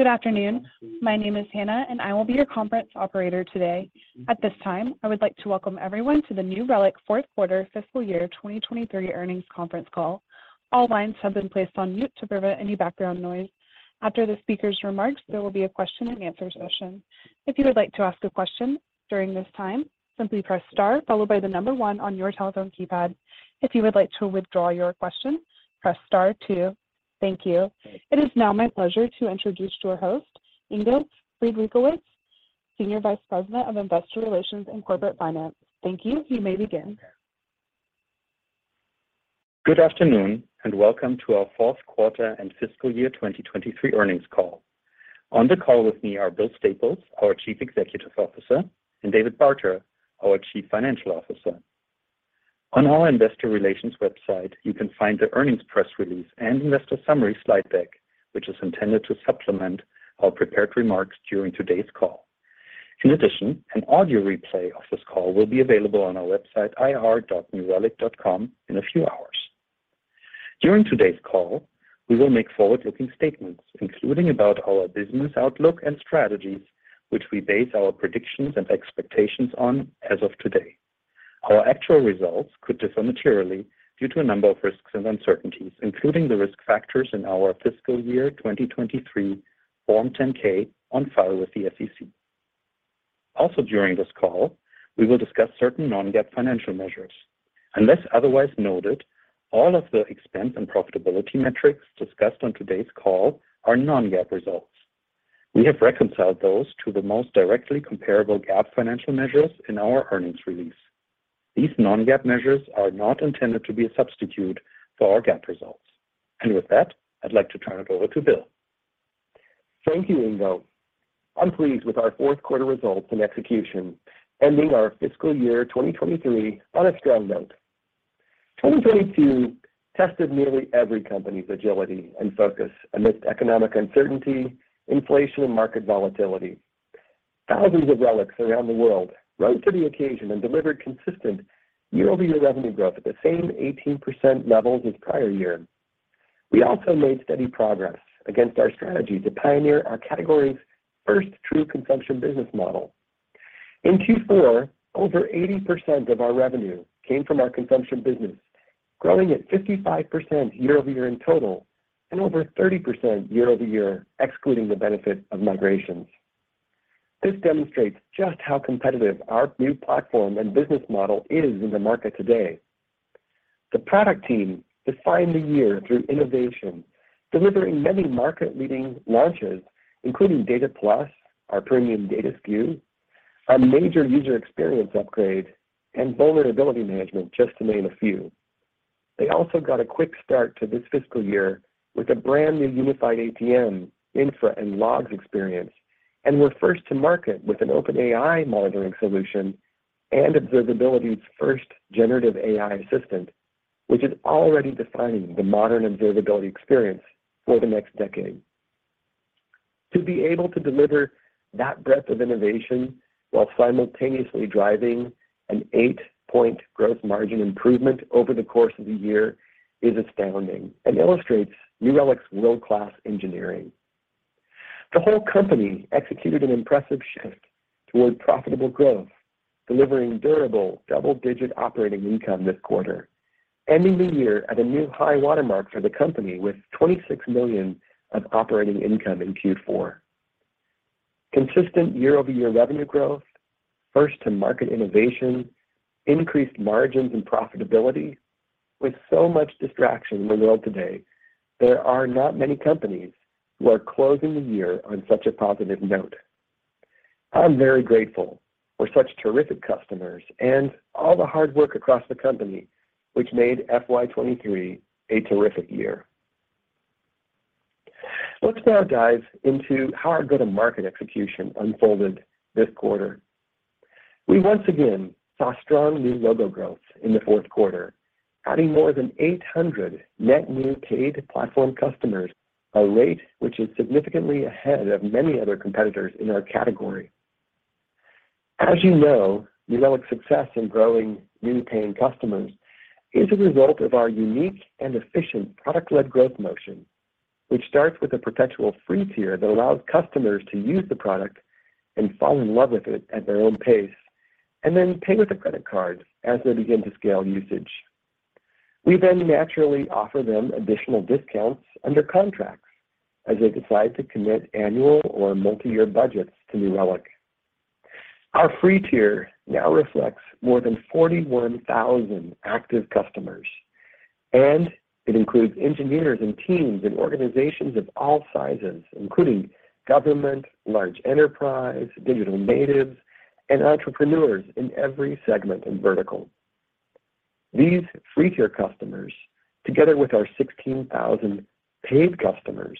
Good afternoon. My name is Hannah, and I will be your conference operator today. At this time, I would like to welcome everyone to the New Relic fourth quarter fiscal year 2023 earnings conference call. All lines have been placed on mute to prevent any background noise. After the speaker's remarks, there will be a question and answer session. If you would like to ask a question during this time, simply press star followed by one on your telephone keypad. If you would like to withdraw your question, press star two. Thank you. It is now my pleasure to introduce to our host, Ingo Friedrichowitz, Senior Vice President of Investor Relations and Corporate Finance. Thank you. You may begin. Good afternoon, and welcome to our fourth quarter and fiscal year 2023 earnings call. On the call with me are Bill Staples, our Chief Executive Officer, and David Barter, our Chief Financial Officer. On our investor relations website, you can find the earnings press release and investor summary slide deck, which is intended to supplement our prepared remarks during today's call. An audio replay of this call will be available on our website ir.newrelic.com in a few hours. During today's call, we will make forward-looking statements, including about our business outlook and strategies, which we base our predictions and expectations on as of today. Our actual results could differ materially due to a number of risks and uncertainties, including the risk factors in our fiscal year 2023 Form 10-K on file with the SEC. During this call, we will discuss certain non-GAAP financial measures. Unless otherwise noted, all of the expense and profitability metrics discussed on today's call are non-GAAP results. We have reconciled those to the most directly comparable GAAP financial measures in our earnings release. These non-GAAP measures are not intended to be a substitute for our GAAP results. With that, I'd like to turn it over to Bill. Thank you, Ingo. I'm pleased with our fourth quarter results and execution, ending our fiscal year 2023 on a strong note. 2022 tested nearly every company's agility and focus amidst economic uncertainty, inflation, and market volatility. Thousands of Relics around the world rose to the occasion and delivered consistent YoY revenue growth at the same 18% levels as prior year. We also made steady progress against our strategy to pioneer our category's first true consumption business model. In Q4, over 80% of our revenue came from our consumption business, growing at 55% YoY in total and over 30% YoY, excluding the benefit of migrations. This demonstrates just how competitive our new platform and business model is in the market today. The product team defined the year through innovation, delivering many market-leading launches, including Data Plus, our premium data SKU, a major user experience upgrade, and vulnerability management, just to name a few. They also got a quick start to this fiscal year with a brand new unified APM infra and logs experience, and we're first to market with an OpenAI monitoring solution and observability's first generative AI assistant, which is already defining the modern observability experience for the next decade. To be able to deliver that breadth of innovation while simultaneously driving an eight-point growth margin improvement over the course of the year is astounding and illustrates New Relic's world-class engineering. The whole company executed an impressive shift toward profitable growth, delivering durable double-digit operating income this quarter, ending the year at a new high watermark for the company with $26 million of operating income in Q4. Consistent YoY revenue growth, first to market innovation, increased margins and profitability. With so much distraction in the world today, there are not many companies who are closing the year on such a positive note. I'm very grateful for such terrific customers and all the hard work across the company, which made FY 2023 a terrific year. Let's now dive into how our go-to-market execution unfolded this quarter. We once again saw strong new logo growth in the fourth quarter, adding more than 800 net new paid platform customers, a rate which is significantly ahead of many other competitors in our category. As you know, New Relic's success in growing new paying customers is a result of our unique and efficient product-led growth motion, which starts with a perpetual free tier that allows customers to use the product and fall in love with it at their own pace, and then pay with a credit card as they begin to scale usage. We naturally offer them additional discounts under contracts as they decide to commit annual or multi-year budgets to New Relic. Our free tier now reflects more than 41,000 active customers, and it includes engineers and teams and organizations of all sizes, including government, large enterprise, digital natives, and entrepreneurs in every segment and vertical. These free tier customers, together with our 16,000 paid customers,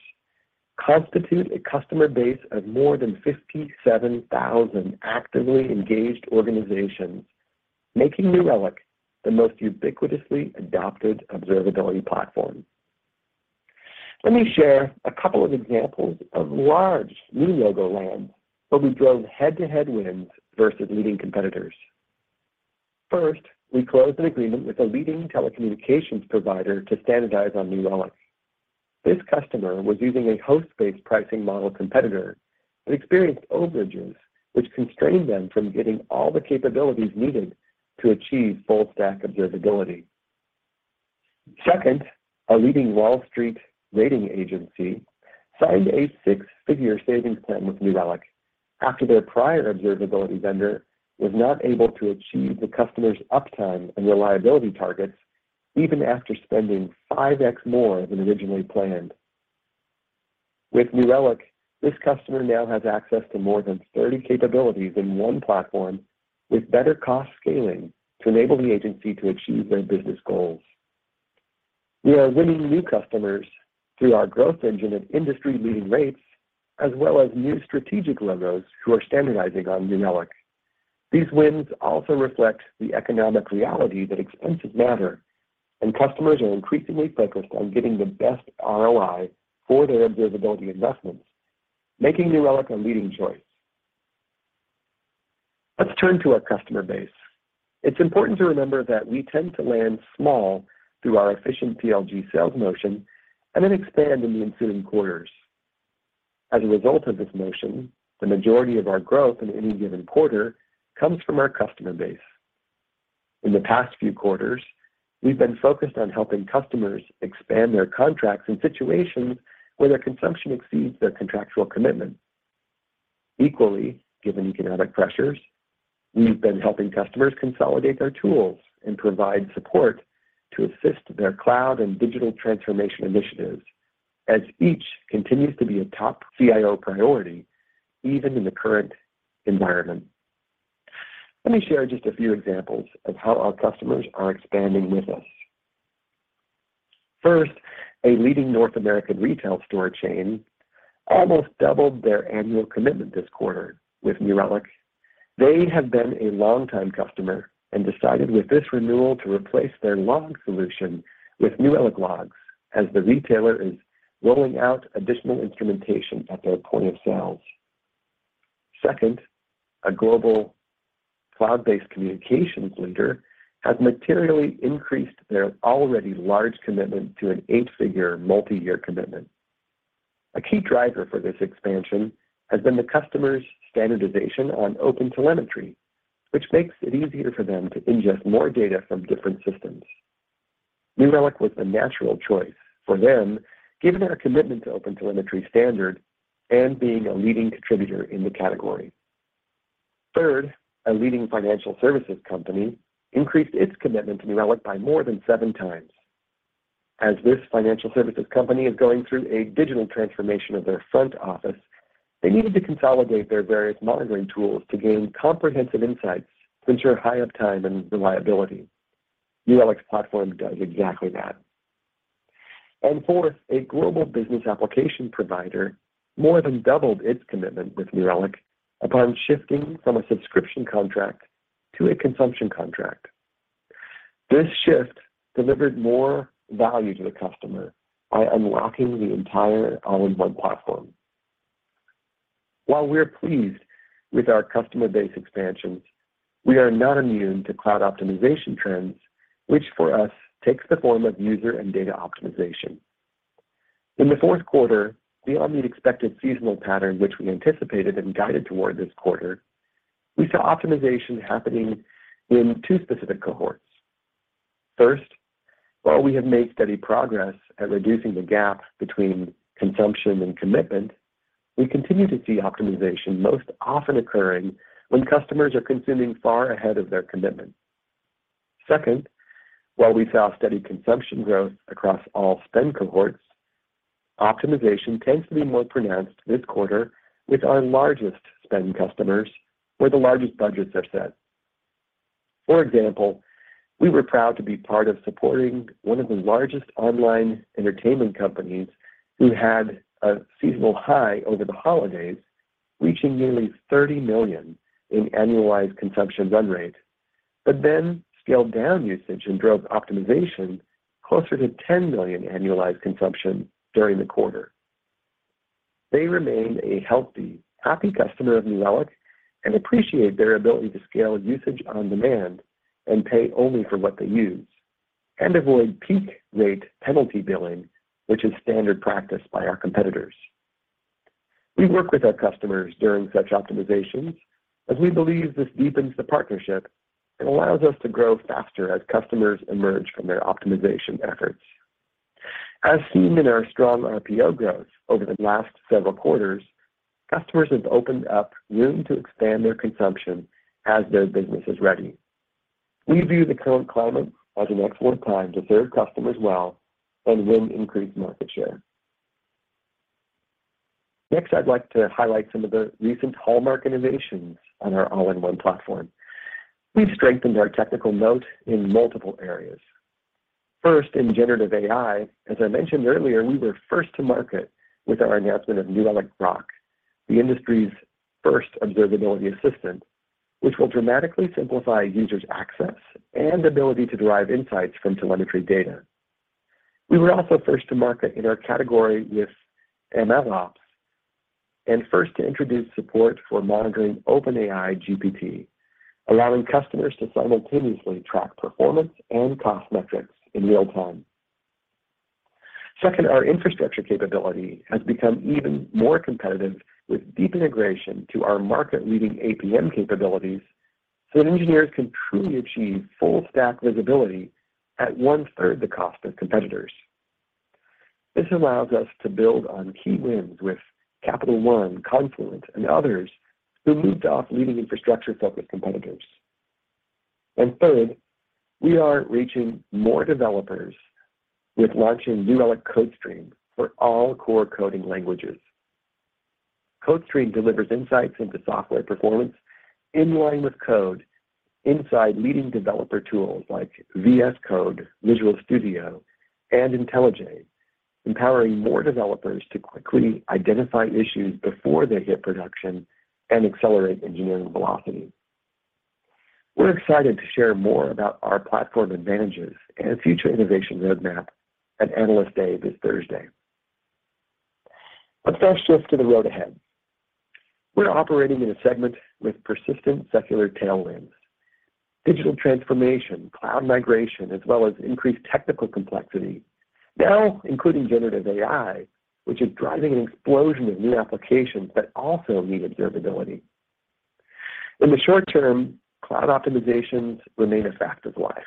constitute a customer base of more than 57,000 actively engaged organizations, making New Relic the most ubiquitously adopted observability platform. Let me share a couple of examples of large new logo lands where we've grown head-to-head wins versus leading competitors. First, we closed an agreement with a leading telecommunications provider to standardize on New Relic. This customer was using a host-based pricing model competitor and experienced overages which constrained them from getting all the capabilities needed to achieve full stack observability. Second, a leading Wall Street rating agency signed a six-figure savings plan with New Relic after their prior observability vendor was not able to achieve the customer's uptime and reliability targets even after spending 5x more than originally planned. With New Relic, this customer now has access to more than 30 capabilities in one platform with better cost scaling to enable the agency to achieve their business goals. We are winning new customers through our growth engine at industry-leading rates, as well as new strategic logos who are standardizing on New Relic. These wins also reflect the economic reality that expenses matter, and customers are increasingly focused on getting the best ROI for their observability investments, making New Relic a leading choice. Let's turn to our customer base. It's important to remember that we tend to land small through our efficient PLG sales motion and then expand in the ensuing quarters. As a result of this motion, the majority of our growth in any given quarter comes from our customer base. In the past few quarters, we've been focused on helping customers expand their contracts in situations where their consumption exceeds their contractual commitment. Equally, given economic pressures, we've been helping customers consolidate their tools and provide support to assist their cloud and digital transformation initiatives as each continues to be a top CIO priority even in the current environment. Let me share just a few examples of how our customers are expanding with us. First, a leading North American retail store chain almost doubled their annual commitment this quarter with New Relic. They have been a long time customer and decided with this renewal to replace their log solution with New Relic logs as the retailer is rolling out additional instrumentation at their point of sales. Second, a global cloud-based communications leader has materially increased their already large commitment to an eight-figure multi-year commitment. A key driver for this expansion has been the customer's standardization on OpenTelemetry, which makes it easier for them to ingest more data from different systems. New Relic was the natural choice for them, given their commitment to OpenTelemetry standard and being a leading contributor in the category. Third, a leading financial services company increased its commitment to New Relic by more than seven times. As this financial services company is going through a digital transformation of their front office, they needed to consolidate their various monitoring tools to gain comprehensive insights to ensure high uptime and reliability. New Relic's platform does exactly that. Fourth, a global business application provider more than doubled its commitment with New Relic upon shifting from a subscription contract to a consumption contract. This shift delivered more value to the customer by unlocking the entire all-in-one platform. While we're pleased with our customer base expansions, we are not immune to cloud optimization trends, which for us takes the form of user and data optimization. In the fourth quarter, beyond the expected seasonal pattern which we anticipated and guided toward this quarter, we saw optimization happening in two specific cohorts. First, while we have made steady progress at reducing the gap between consumption and commitment, we continue to see optimization most often occurring when customers are consuming far ahead of their commitment. Second, while we saw steady consumption growth across all spend cohorts, optimization tends to be more pronounced this quarter with our largest spend customers where the largest budgets are set. For example, we were proud to be part of supporting one of the largest online entertainment companies who had a seasonal high over the holidays, reaching nearly $30 million in annualized consumption run rate, but then scaled down usage and drove optimization closer to $10 million annualized consumption during the quarter. They remain a healthy, happy customer of New Relic and appreciate their ability to scale usage on demand and pay only for what they use and avoid peak rate penalty billing, which is standard practice by our competitors. We work with our customers during such optimizations as we believe this deepens the partnership and allows us to grow faster as customers emerge from their optimization efforts. As seen in our strong RPO growth over the last several quarters, customers have opened up room to expand their consumption as their business is ready. We view the current climate as an excellent time to serve customers well and win increased market share. Next, I'd like to highlight some of the recent hallmark innovations on our all-in-one platform. We've strengthened our technical moat in multiple areas. First, in generative AI, as I mentioned earlier, we were first to market with our announcement of New Relic Grok, the industry's first observability assistant, which will dramatically simplify users' access and ability to derive insights from telemetry data. We were also first to market in our category with MLOps and first to introduce support for monitoring OpenAI GPT, allowing customers to simultaneously track performance and cost metrics in real time. Second, our infrastructure capability has become even more competitive with deep integration to our market-leading APM capabilities so that engineers can truly achieve full stack visibility at one-third the cost of competitors. Third, we are reaching more developers with launching New Relic CodeStream for all core coding languages. CodeStream delivers insights into software performance in line with code inside leading developer tools like VS Code, Visual Studio, and IntelliJ, empowering more developers to quickly identify issues before they hit production and accelerate engineering velocity. We're excited to share more about our platform advantages and future innovation roadmap at Analyst Day this Thursday. Let's now shift to the road ahead. We're operating in a segment with persistent secular tailwinds, digital transformation, cloud migration, as well as increased technical complexity, now including generative AI, which is driving an explosion of new applications that also need observability. In the short term, cloud optimizations remain a fact of life.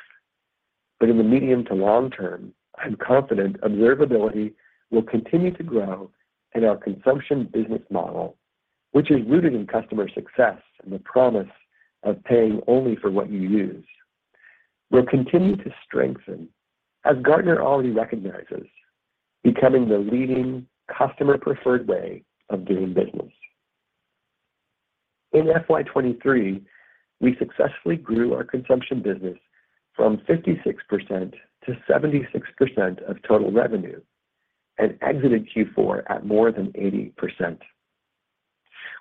In the medium to long term, I'm confident observability will continue to grow and our consumption business model, which is rooted in customer success and the promise of paying only for what you use, will continue to strengthen as Gartner already recognizes, becoming the leading customer preferred way of doing business. In FY 2023, we successfully grew our consumption business from 56%-76% of total revenue and exited Q4 at more than 80%.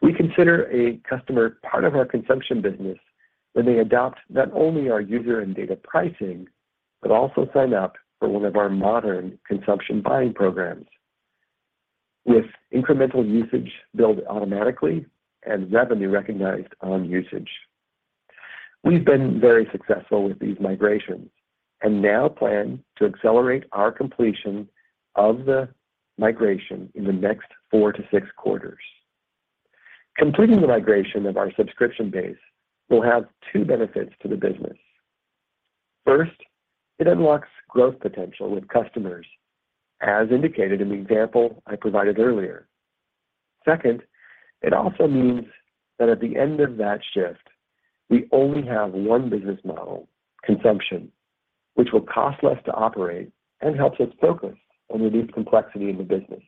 We consider a customer part of our consumption business when they adopt not only our user and data pricing, but also sign up for one of our modern consumption buying programs with incremental usage billed automatically and revenue recognized on usage. We've been very successful with these migrations and now plan to accelerate our completion of the migration in the next four-six quarters. Completing the migration of our subscription base will have two benefits to the business. First, it unlocks growth potential with customers, as indicated in the example I provided earlier. Second, it also means that at the end of that shift, we only have one business model, consumption, which will cost less to operate and helps us focus and reduce complexity in the business.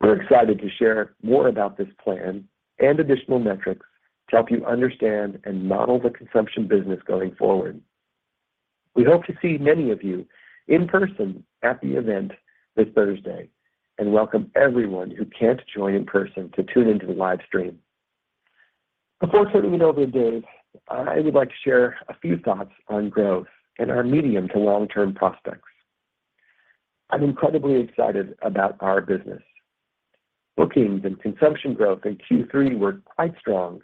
We're excited to share more about this plan and additional metrics to help you understand and model the consumption business going forward. We hope to see many of you in person at the event this Thursday, and welcome everyone who can't join in person to tune into the live stream. Before turning it over to Dave, I would like to share a few thoughts on growth and our medium to long-term prospects. I'm incredibly excited about our business. Bookings and consumption growth in Q3 were quite strong.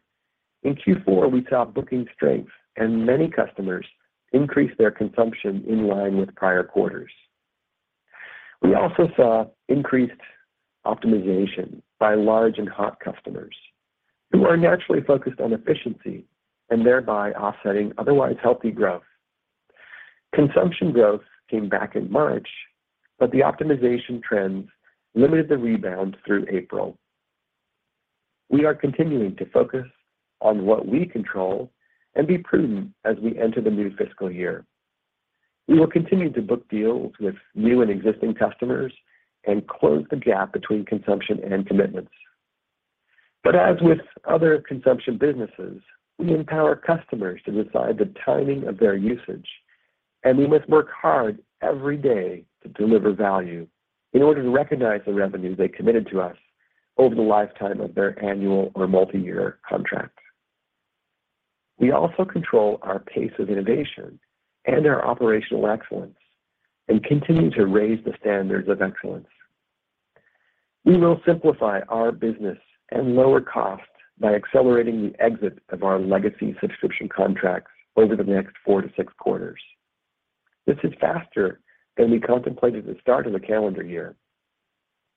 In Q4, we saw booking strength and many customers increase their consumption in line with prior quarters. We also saw increased optimization by large and hot customers who are naturally focused on efficiency and thereby offsetting otherwise healthy growth. Consumption growth came back in March. The optimization trends limited the rebound through April. We are continuing to focus on what we control and be prudent as we enter the new fiscal year. We will continue to book deals with new and existing customers and close the gap between consumption and commitments. As with other consumption businesses, we empower customers to decide the timing of their usage, and we must work hard every day to deliver value in order to recognize the revenue they committed to us over the lifetime of their annual or multi-year contract. We also control our pace of innovation and our operational excellence and continue to raise the standards of excellence. We will simplify our business and lower costs by accelerating the exit of our legacy subscription contracts over the next four-six quarters. This is faster than we contemplated at the start of the calendar year.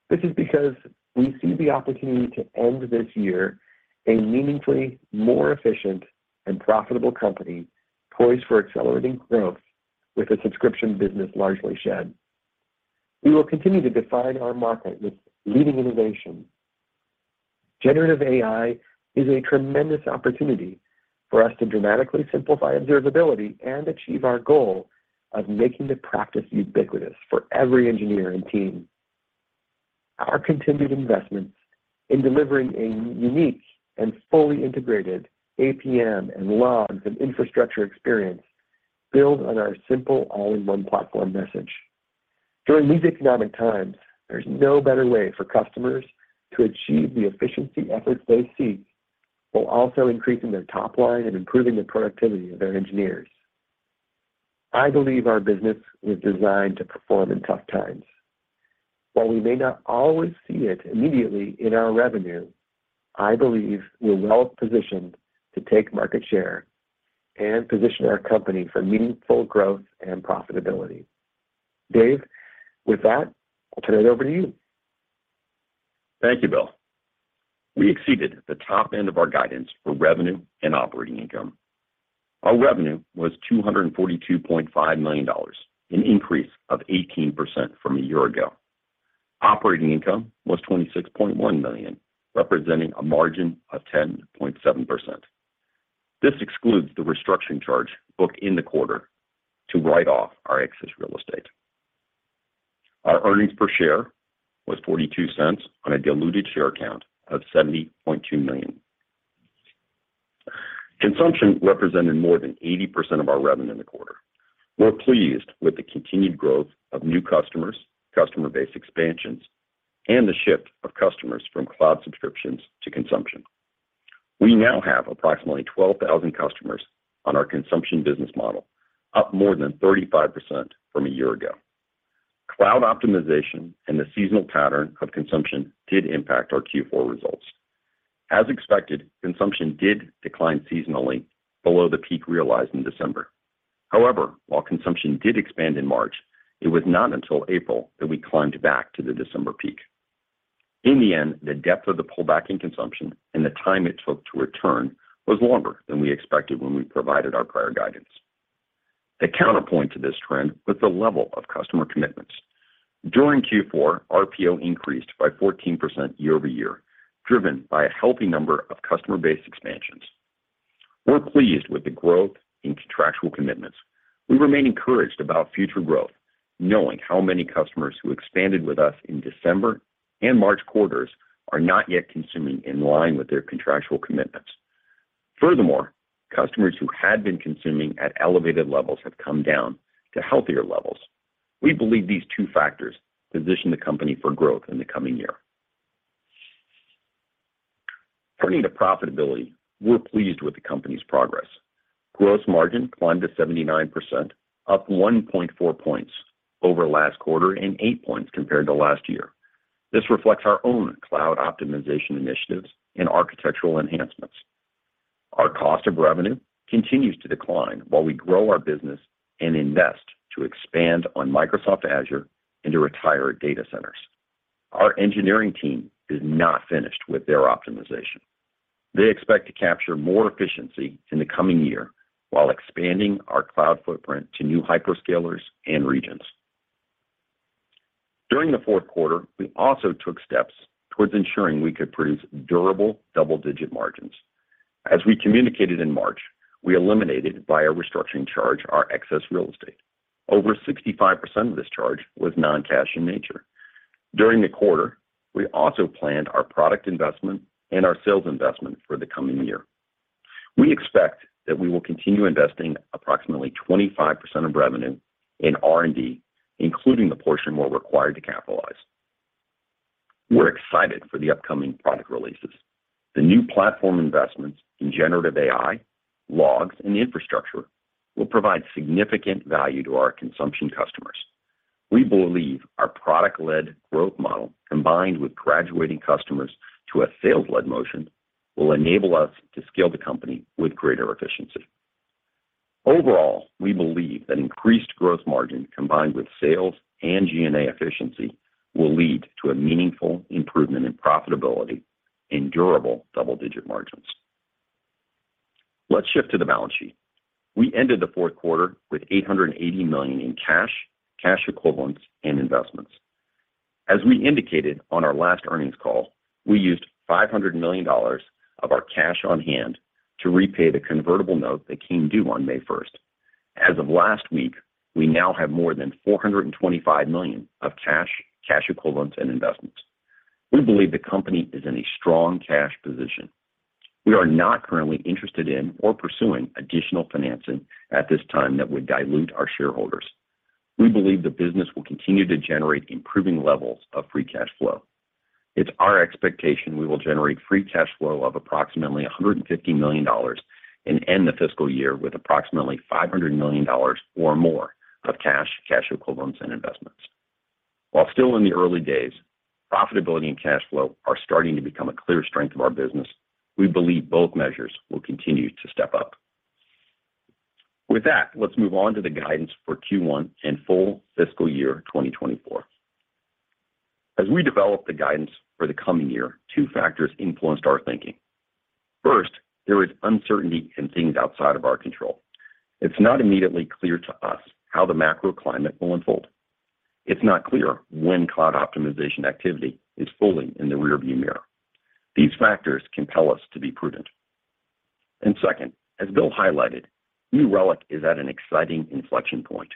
This is because we see the opportunity to end this year a meaningfully more efficient and profitable company poised for accelerating growth with the subscription business largely shed. We will continue to define our market with leading innovation. Generative AI is a tremendous opportunity for us to dramatically simplify observability and achieve our goal of making the practice ubiquitous for every engineer and team. Our continued investments in delivering a unique and fully integrated APM and logs and infrastructure experience build on our simple all-in-one platform message. During these economic times, there's no better way for customers to achieve the efficiency efforts they seek while also increasing their top line and improving the productivity of their engineers. I believe our business was designed to perform in tough times. While we may not always see it immediately in our revenue, I believe we're well positioned to take market share and position our company for meaningful growth and profitability. Dave, with that, I'll turn it over to you. Thank you, Bill. We exceeded the top end of our guidance for revenue and operating income. Our revenue was $242.5 million, an increase of 18% from a year ago. Operating income was $26.1 million, representing a margin of 10.7%. This excludes the restructuring charge booked in the quarter to write off our excess real estate. Our earnings per share was $0.42 on a diluted share count of 70.2 million. Consumption represented more than 80% of our revenue in the quarter. We're pleased with the continued growth of new customers, customer base expansions, and the shift of customers from cloud subscriptions to consumption. We now have approximately 12,000 customers on our consumption business model, up more than 35% from a year ago. Cloud optimization and the seasonal pattern of consumption did impact our Q4 results. As expected, consumption did decline seasonally below the peak realized in December. While consumption did expand in March, it was not until April that we climbed back to the December peak. In the end, the depth of the pullback in consumption and the time it took to return was longer than we expected when we provided our prior guidance. The counterpoint to this trend was the level of customer commitments. During Q4, RPO increased by 14% YoY, driven by a healthy number of customer-based expansions. We're pleased with the growth in contractual commitments. We remain encouraged about future growth, knowing how many customers who expanded with us in December and March quarters are not yet consuming in line with their contractual commitments. Furthermore, customers who had been consuming at elevated levels have come down to healthier levels. We believe these two factors position the company for growth in the coming year. Turning to profitability, we're pleased with the company's progress. Gross margin climbed to 79%, up 1.4 points over last quarter and 8 points compared to last year. This reflects our own cloud optimization initiatives and architectural enhancements. Our cost of revenue continues to decline while we grow our business and invest to expand on Microsoft Azure and to retire data centers. Our engineering team is not finished with their optimization. They expect to capture more efficiency in the coming year while expanding our cloud footprint to new hyperscalers and regions. During the fourth quarter, we also took steps towards ensuring we could produce durable double-digit margins. As we communicated in March, we eliminated via restructuring charge our excess real estate. Over 65% of this charge was non-cash in nature. During the quarter, we also planned our product investment and our sales investment for the coming year. We expect that we will continue investing approximately 25% of revenue in R&D, including the portion we're required to capitalize. We're excited for the upcoming product releases. The new platform investments in generative AI, logs, and infrastructure will provide significant value to our consumption customers. We believe our product-led growth model, combined with graduating customers to a sales-led motion, will enable us to scale the company with greater efficiency. Overall, we believe that increased growth margin, combined with sales and G&A efficiency, will lead to a meaningful improvement in profitability in durable double-digit margins. Let's shift to the balance sheet. We ended the fourth quarter with $880 million in cash equivalents, and investments. As we indicated on our last earnings call, we used $500 million of our cash on hand to repay the convertible note that came due on May first. As of last week, we now have more than $425 million of cash equivalents, and investments. We believe the company is in a strong cash position. We are not currently interested in or pursuing additional financing at this time that would dilute our shareholders. We believe the business will continue to generate improving levels of free cash flow. It's our expectation we will generate free cash flow of approximately $150 million and end the fiscal year with approximately $500 million or more of cash equivalents, and investments. While still in the early days, profitability and cash flow are starting to become a clear strength of our business. We believe both measures will continue to step up. With that, let's move on to the guidance for Q1 and full fiscal year 2024. As we develop the guidance for the coming year, two factors influenced our thinking. First, there is uncertainty in things outside of our control. It's not immediately clear to us how the macro climate will unfold. It's not clear when cloud optimization activity is fully in the rearview mirror. These factors compel us to be prudent. Second, as Bill highlighted, New Relic is at an exciting inflection point.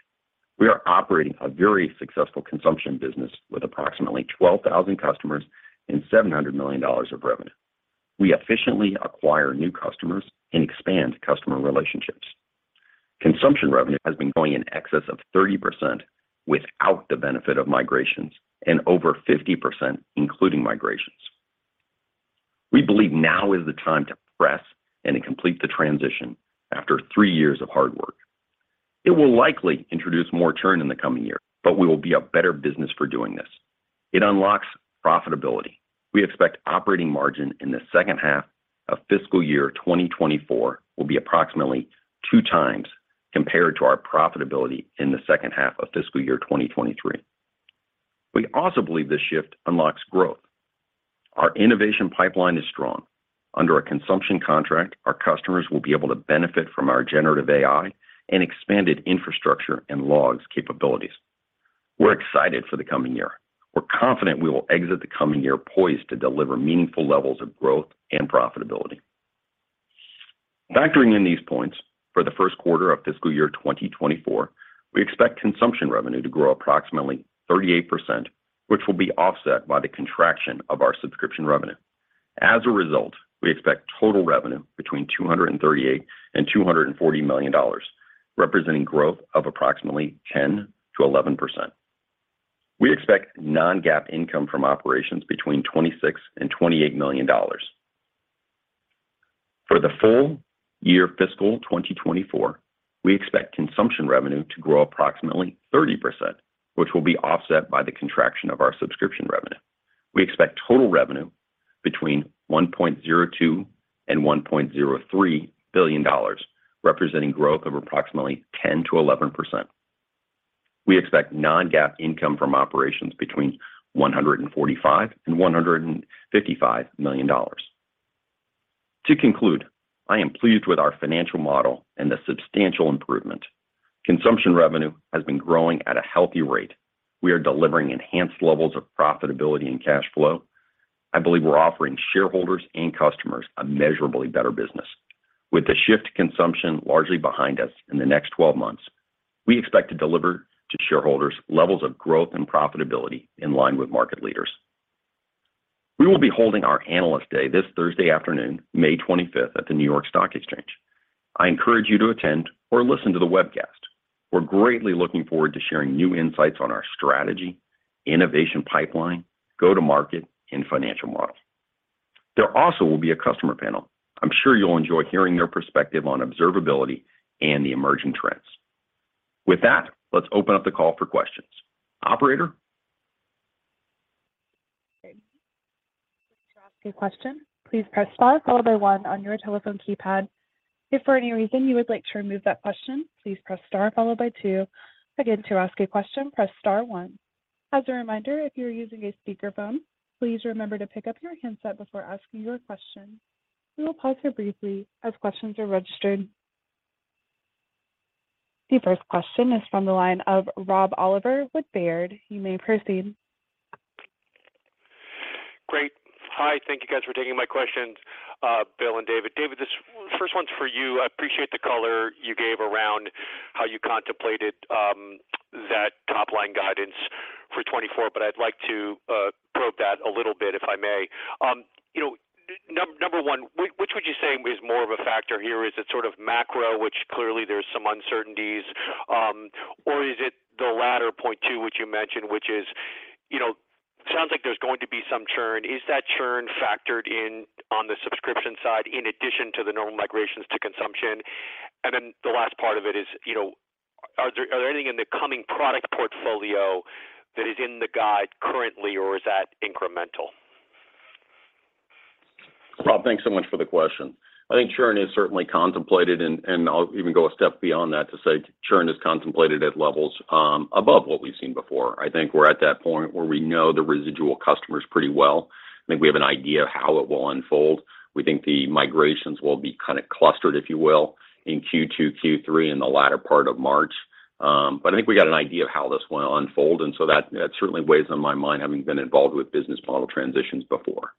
We are operating a very successful consumption business with approximately 12,000 customers and $700 million of revenue. We efficiently acquire new customers and expand customer relationships. Consumption revenue has been growing in excess of 30% without the benefit of migrations and over 50% including migrations. We believe now is the time to press and complete the transition after three years of hard work. It will likely introduce more churn in the coming year, but we will be a better business for doing this. It unlocks profitability. We expect operating margin in the second half of fiscal year 2024 will be approximately two times compared to our profitability in the second half of fiscal year 2023. We believe this shift unlocks growth. Our innovation pipeline is strong. Under a consumption contract, our customers will be able to benefit from our generative AI and expanded infrastructure and logs capabilities. We're excited for the coming year. We're confident we will exit the coming year poised to deliver meaningful levels of growth and profitability. Factoring in these points, for the first quarter of fiscal year 2024, we expect consumption revenue to grow approximately 38%, which will be offset by the contraction of our subscription revenue. As a result, we expect total revenue between $238 million and $240 million, representing growth of approximately 10%-11%. We expect non-GAAP income from operations between $26 million and $28 million. For the full year fiscal 2024, we expect consumption revenue to grow approximately 30%, which will be offset by the contraction of our subscription revenue. We expect total revenue between $1.02 billion and $1.03 billion, representing growth of approximately 10%-11%. We expect non-GAAP income from operations between $145 million and $155 million. To conclude, I am pleased with our financial model and the substantial improvement. Consumption revenue has been growing at a healthy rate. We are delivering enhanced levels of profitability and cash flow. I believe we're offering shareholders and customers a measurably better business. With the shift to consumption largely behind us in the next 12 months, we expect to deliver to shareholders levels of growth and profitability in line with market leaders. We will be holding our Analyst Day this Thursday afternoon, May 25th at the New York Stock Exchange. I encourage you to attend or listen to the webcast. We're greatly looking forward to sharing new insights on our strategy, innovation pipeline, go-to-market, and financial model. There also will be a customer panel. I'm sure you'll enjoy hearing their perspective on observability and the emerging trends. With that, let's open up the call for questions. Operator? To ask a question, please press star followed by one on your telephone keypad. If for any reason you would like to remove that question, please press star followed by two. Again, to ask a question, press star one. As a reminder, if you're using a speakerphone, please remember to pick up your handset before asking your question. We will pause here briefly as questions are registered. The first question is from the line of Rob Oliver with Baird. You may proceed. Great. Hi, thank you guys for taking my questions, Bill and David. David, this first one's for you. I appreciate the color you gave around how you contemplated that top-line guidance for 2024, but I'd like to probe that a little bit, if I may. you know, number one, which would you say is more of a factor here? Is it sort of macro, which clearly there's some uncertainties, or is it the latter point too, which you mentioned, which is, you know, sounds like there's going to be some churn. Is that churn factored in on the subscription side in addition to the normal migrations to consumption? The last part of it is, you know, are there anything in the coming product portfolio that is in the guide currently, or is that incremental? Rob, thanks so much for the question. I think churn is certainly contemplated, and I'll even go a step beyond that to say churn is contemplated at levels above what we've seen before. I think we're at that point where we know the residual customers pretty well. I think we have an idea of how it will unfold. We think the migrations will be kind of clustered, if you will, in Q2, Q3 in the latter part of March. I think we got an idea of how this will unfold, that certainly weighs on my mind, having been involved with business model transitions before.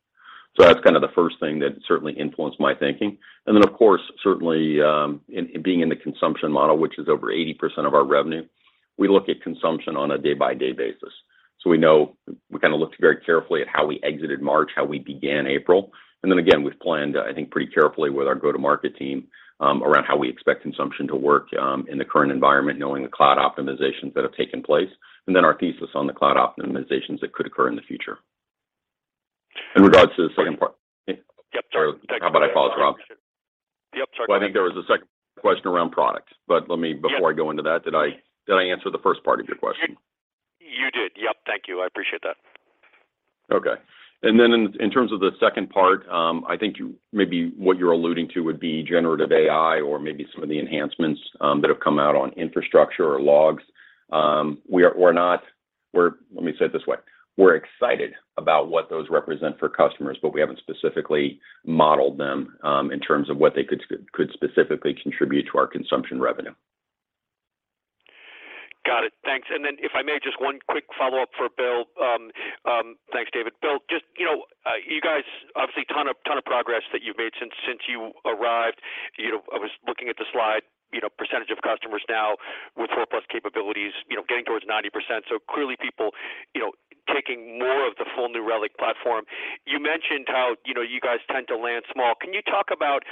That's kind of the first thing that certainly influenced my thinking. Of course, certainly, in being in the consumption model, which is over 80% of our revenue, we look at consumption on a day-by-day basis. We know we kinda looked very carefully at how we exited March, how we began April. Again, we've planned, I think, pretty carefully with our go-to-market team, around how we expect consumption to work, in the current environment, knowing the cloud optimizations that have taken place, and then our thesis on the cloud optimizations that could occur in the future. In regards to the second part. Yep. Sorry. How about I pause, Rob? Yep, sorry. I think there was a second question around product. Yes. Before I go into that, did I answer the first part of your question? You did. Yep. Thank you. I appreciate that. Okay. In terms of the second part, I think maybe what you're alluding to would be generative AI or maybe some of the enhancements that have come out on infrastructure or logs. Let me say it this way. We're excited about what those represent for customers, but we haven't specifically modeled them in terms of what they could specifically contribute to our consumption revenue. Got it. Thanks. If I may, just one quick follow-up for Bill. Thanks, David. Bill, just, you know, you guys, obviously ton of progress that you've made since you arrived. You know, I was looking at the slide, you know, percentage of customers now with four-plus capabilities, you know, getting towards 90%. Clearly people, you know, taking more of the full New Relic platform. You mentioned how, you know, you guys tend to land small. Can you talk about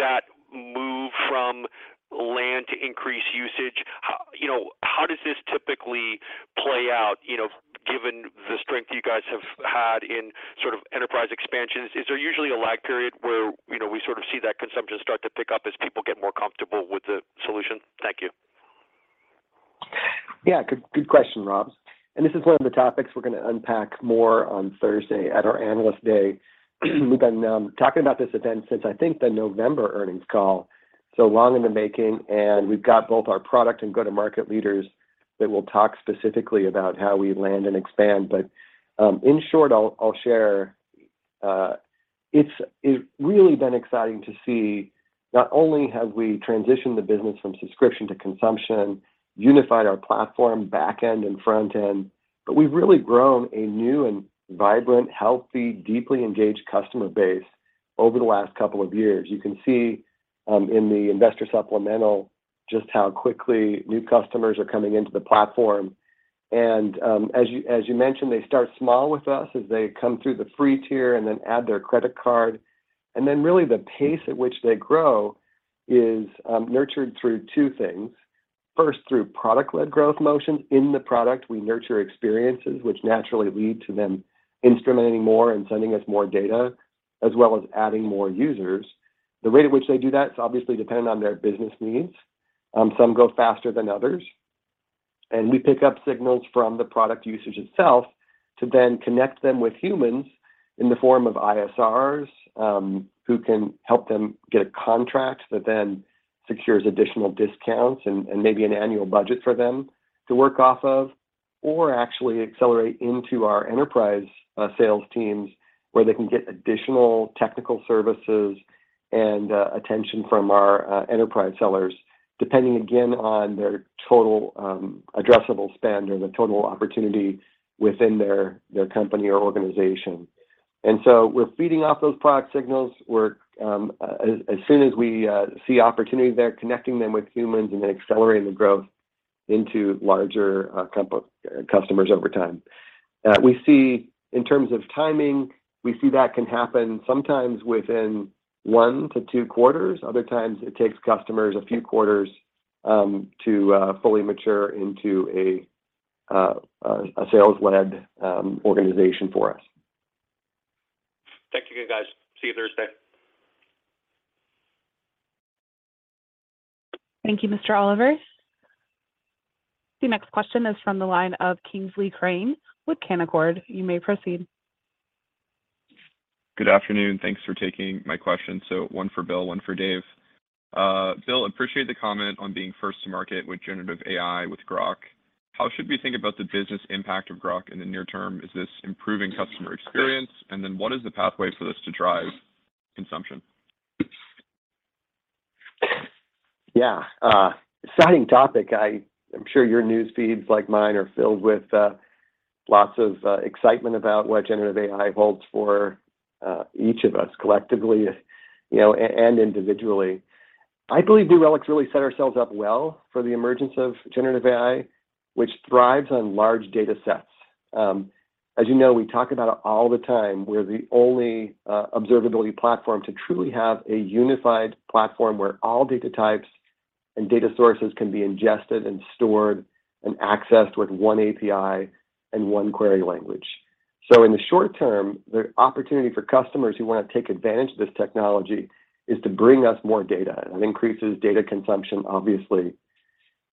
that move from land to increase usage? How, you know, how does this typically play out, you know, given the strength you guys have had in sort of enterprise expansions? Is there usually a lag period where, you know, we sort of see that consumption start to pick up as people get more comfortable with the solution? Thank you. Yeah, good question, Rob. This is one of the topics we're gonna unpack more on Thursday at our Analyst Day. We've been talking about this event since I think the November earnings call, so long in the making, we've got both our product and go-to-market leaders that will talk specifically about how we land and expand. In short, I'll share, it's really been exciting to see not only have we transitioned the business from subscription to consumption, unified our platform back end and front end, but we've really grown a new and vibrant, healthy, deeply engaged customer base over the last couple of years. You can see in the investor supplemental just how quickly new customers are coming into the platform. As you mentioned, they start small with us as they come through the free tier and then add their credit card. Really the pace at which they grow is nurtured through two things. First, through product-led growth motions. In the product, we nurture experiences which naturally lead to them instrumenting more and sending us more data, as well as adding more users. The rate at which they do that is obviously dependent on their business needs. Some go faster than others. We pick up signals from the product usage itself to then connect them with humans in the form of ISRs, who can help them get a contract that then secures additional discounts and maybe an annual budget for them to work off of, or actually accelerate into our enterprise sales teams where they can get additional technical services and attention from our enterprise sellers, depending again on their total addressable spend or the total opportunity within their company or organization. We're feeding off those product signals. We're as soon as we see opportunities there, connecting them with humans and then accelerating the growth into larger customers over time. We see in terms of timing, we see that can happen sometimes within one to two quarters. Other times it takes customers a few quarters, to fully mature into a sales-led organization for us. Thank you guys. See you Thursday. Thank you, Mr. Oliver. The next question is from the line of Kingsley Crane with Canaccord. You may proceed. Good afternoon. Thanks for taking my question. One for Bill, one for Dave. Bill, appreciate the comment on being first to market with generative AI with Grok. How should we think about the business impact of Grok in the near term? Is this improving customer experience? What is the pathway for this to drive consumption? Yeah. Exciting topic. I'm sure your news feeds, like mine, are filled with lots of excitement about what generative AI holds for each of us collectively, you know, and individually. I believe New Relic's really set ourselves up well for the emergence of generative AI, which thrives on large data sets. As you know, we talk about it all the time. We're the only observability platform to truly have a unified platform where all data types and data sources can be ingested and stored and accessed with one API and one query language. In the short term, the opportunity for customers who wanna take advantage of this technology is to bring us more data. That increases data consumption, obviously,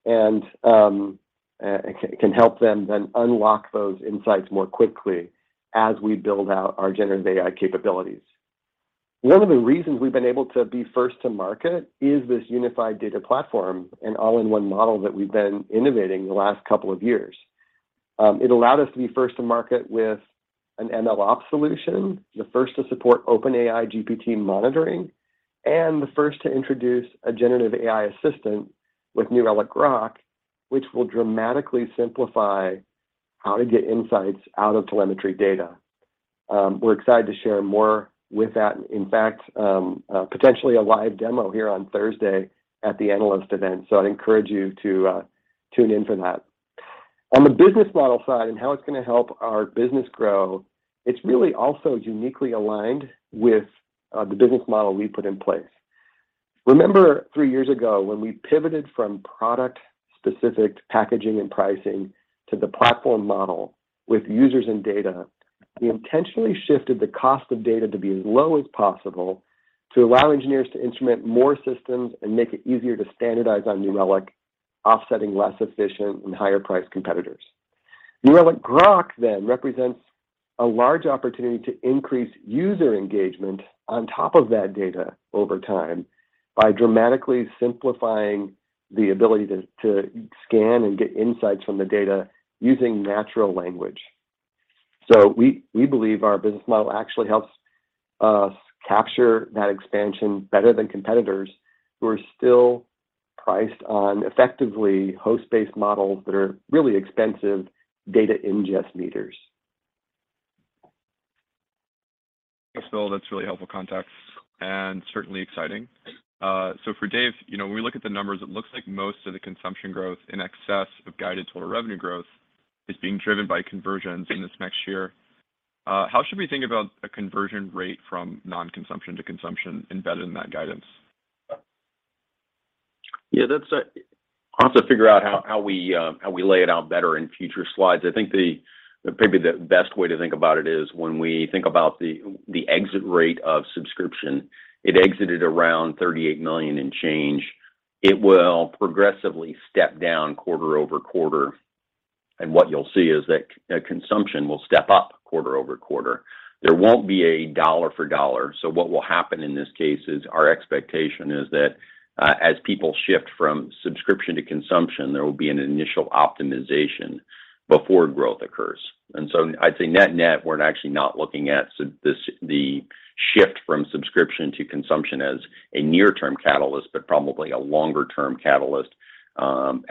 and can help them then unlock those insights more quickly as we build out our generative AI capabilities. One of the reasons we've been able to be first to market is this unified data platform and all-in-one model that we've been innovating the last couple of years. It allowed us to be first to market with an MLOps solution, the first to support OpenAI GPT monitoring, and the first to introduce a generative AI assistant with New Relic Grok, which will dramatically simplify how to get insights out of telemetry data. We're excited to share more with that, in fact, potentially a live demo here on Thursday at the analyst event. I'd encourage you to tune in for that. On the business model side and how it's gonna help our business grow, it's really also uniquely aligned with the business model we put in place. Remember three years ago when we pivoted from product-specific packaging and pricing to the platform model with users and data, we intentionally shifted the cost of data to be as low as possible to allow engineers to instrument more systems and make it easier to standardize on New Relic, offsetting less efficient and higher priced competitors. New Relic Grok then represents a large opportunity to increase user engagement on top of that data over time by dramatically simplifying the ability to scan and get insights from the data using natural language. We believe our business model actually helps us capture that expansion better than competitors who are still priced on effectively host-based models that are really expensive data ingest meters. Bill, that's really helpful context and certainly exciting. For Dave, you know, when we look at the numbers, it looks like most of the consumption growth in excess of guided total revenue growth is being driven by conversions in this next year. How should we think about a conversion rate from non-consumption to consumption embedded in that guidance? Yeah, that's. I'll have to figure out how we lay it out better in future slides. I think maybe the best way to think about it is when we think about the exit rate of subscription, it exited around $38 million and change. It will progressively step down quarter over quarter, and what you'll see is that consumption will step up quarter over quarter. There won't be a dollar for dollar. What will happen in this case is our expectation is that as people shift from subscription to consumption, there will be an initial optimization before growth occurs. I'd say net-net, we're actually not looking at the shift from subscription to consumption as a near-term catalyst, but probably a longer-term catalyst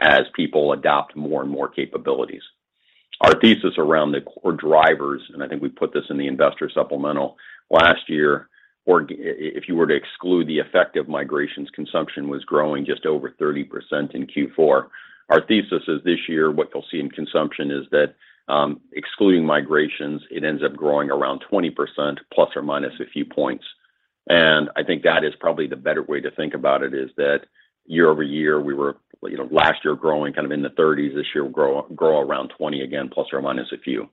as people adopt more and more capabilities. Our thesis around the core drivers, and I think we put this in the investor supplemental last year, if you were to exclude the effect of migrations, consumption was growing just over 30% in Q4. Our thesis is this year, what you'll see in consumption is that, excluding migrations, it ends up growing around 20% ± a few points. I think that is probably the better way to think about it is that YoY, we were, you know, last year growing kind of in the thirties. This year, we'll grow around 20 again, ± a few.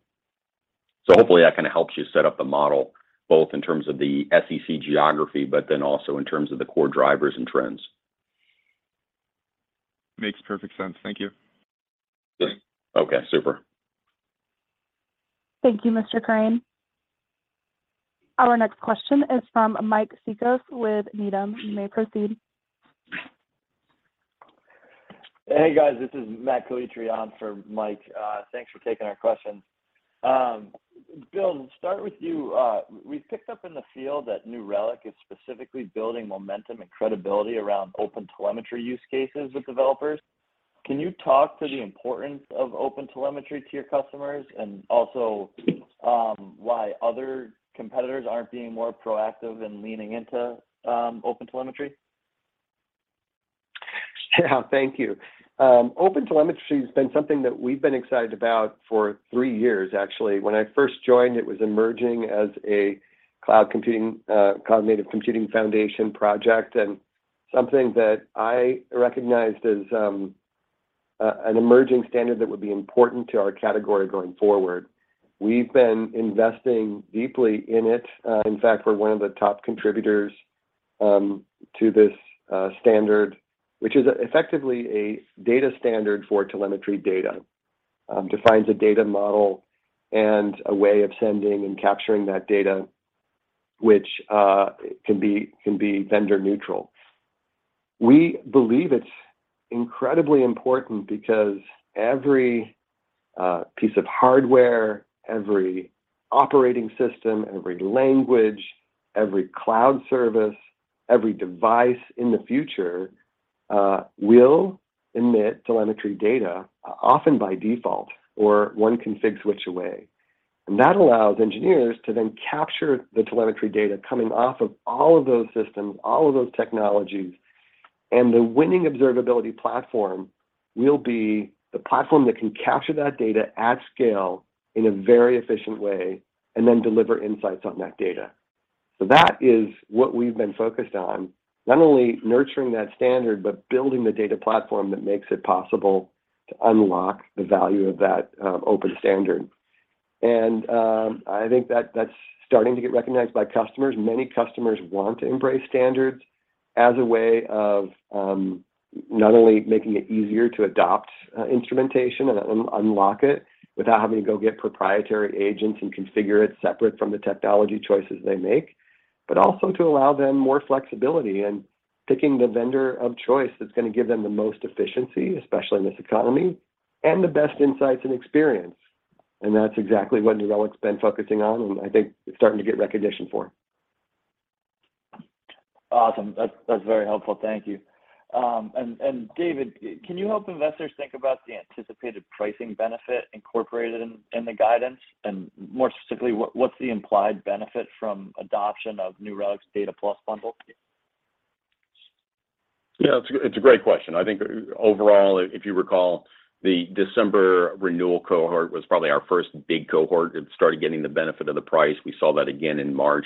Hopefully that kind of helps you set up the model, both in terms of the SEC geography, also in terms of the core drivers and trends. Makes perfect sense. Thank you. Okay, super. Thank you, Mr. Crane. Our next question is from Mike Cikos with Needham. You may proceed. Hey, guys. This is Matt Calitri for Mike. Thanks for taking our question. Bill, start with you. We've picked up in the field that New Relic is specifically building momentum and credibility around OpenTelemetry use cases with developers. Can you talk to the importance of OpenTelemetry to your customers and also, why other competitors aren't being more proactive in leaning into, OpenTelemetry? Yeah. Thank you. OpenTelemetry has been something that we've been excited about for three years, actually. When I first joined, it was emerging as a cloud computing, Cloud Native Computing Foundation project and something that I recognized as an emerging standard that would be important to our category going forward. We've been investing deeply in it. In fact, we're one of the top contributors to this standard, which is effectively a data standard for telemetry data. Defines a data model and a way of sending and capturing that data, which can be vendor neutral. We believe it's incredibly important because every piece of hardware, every operating system, every language, every cloud service, every device in the future will emit telemetry data, often by default or one config switch away. That allows engineers to then capture the telemetry data coming off of all of those systems, all of those technologies. The winning observability platform will be the platform that can capture that data at scale in a very efficient way and then deliver insights on that data. That is what we've been focused on, not only nurturing that standard, but building the data platform that makes it possible to unlock the value of that open standard. I think that that's starting to get recognized by customers. Many customers want to embrace standards as a way of not only making it easier to adopt instrumentation and unlock it without having to go get proprietary agents and configure it separate from the technology choices they make, but also to allow them more flexibility in picking the vendor of choice that's gonna give them the most efficiency, especially in this economy, and the best insights and experience. That's exactly what New Relic's been focusing on, and I think it's starting to get recognition for. Awesome. That's very helpful. Thank you. David, can you help investors think about the anticipated pricing benefit incorporated in the guidance? More specifically, what's the implied benefit from adoption of New Relic's Data Plus bundle? Yeah, it's a great question. I think overall, if you recall, the December renewal cohort was probably our first big cohort that started getting the benefit of the price. We saw that again in March.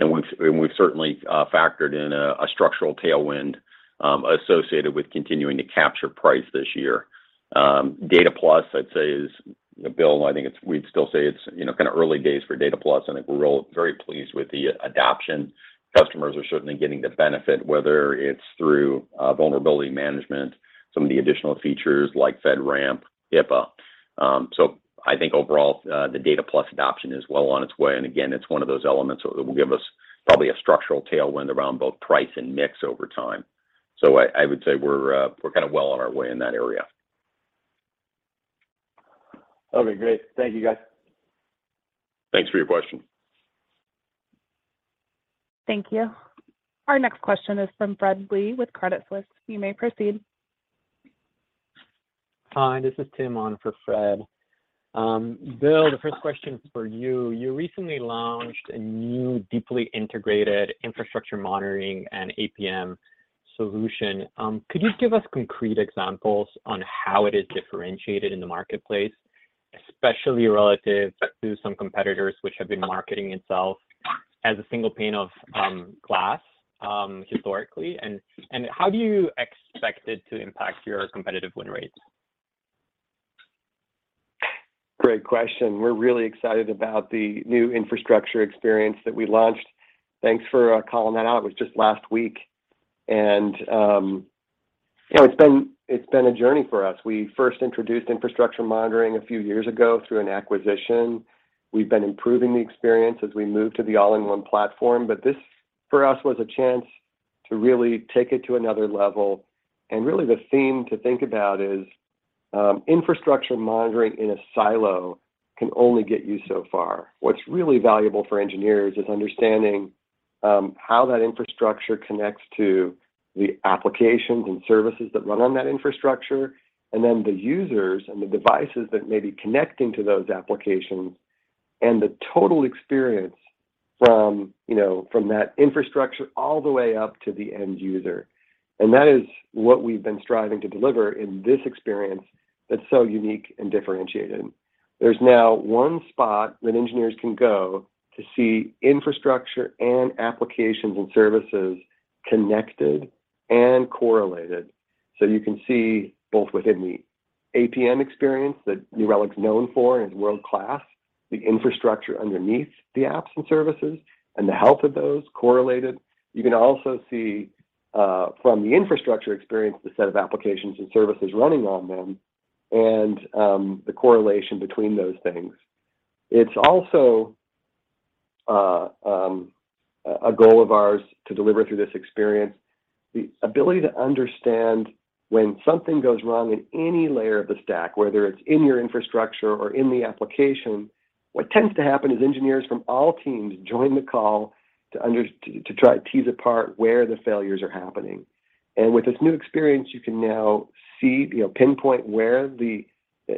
We've certainly factored in a structural tailwind associated with continuing to capture price this year. Data Plus, I'd say is, Bill, I think we'd still say it's, you know, kind of early days for Data Plus, and I think we're all very pleased with the adoption. Customers are certainly getting the benefit, whether it's through vulnerability management, some of the additional features like FedRAMP, HIPAA. I think overall, the Data Plus adoption is well on its way. Again, it's one of those elements that will give us probably a structural tailwind around both price and mix over time. I would say we're kind of well on our way in that area. Okay, great. Thank you, guys. Thanks for your question. Thank you. Our next question is from Fred Lee with Credit Suisse. You may proceed. Hi, this is Tim on for Fred. Bill, the first question is for you. You recently launched a new deeply integrated infrastructure monitoring and APM solution. Could you give us concrete examples on how it is differentiated in the marketplace, especially relative to some competitors which have been marketing itself as a single pane of glass historically, and how do you expect it to impact your competitive win rates? Great question. We're really excited about the new infrastructure experience that we launched. Thanks for calling that out. It was just last week. You know, it's been a journey for us. We first introduced infrastructure monitoring a few years ago through an acquisition. We've been improving the experience as we move to the all-in-one platform, but this, for us, was a chance to really take it to another level. Really the theme to think about is infrastructure monitoring in a silo can only get you so far. What's really valuable for engineers is understanding how that infrastructure connects to the applications and services that run on that infrastructure, and then the users and the devices that may be connecting to those applications, and the total experience from, you know, from that infrastructure all the way up to the end user. That is what we've been striving to deliver in this experience that's so unique and differentiated. There's now one spot that engineers can go to see infrastructure and applications and services connected and correlated. You can see both within the APM experience that New Relic's known for and is world-class, the infrastructure underneath the apps and services, and the health of those correlated. You can also see, from the infrastructure experience, the set of applications and services running on them and the correlation between those things. It's also a goal of ours to deliver through this experience, the ability to understand when something goes wrong in any layer of the stack, whether it's in your infrastructure or in the application, what tends to happen is engineers from all teams join the call to try to tease apart where the failures are happening. With this new experience, you can now see, you know, pinpoint where the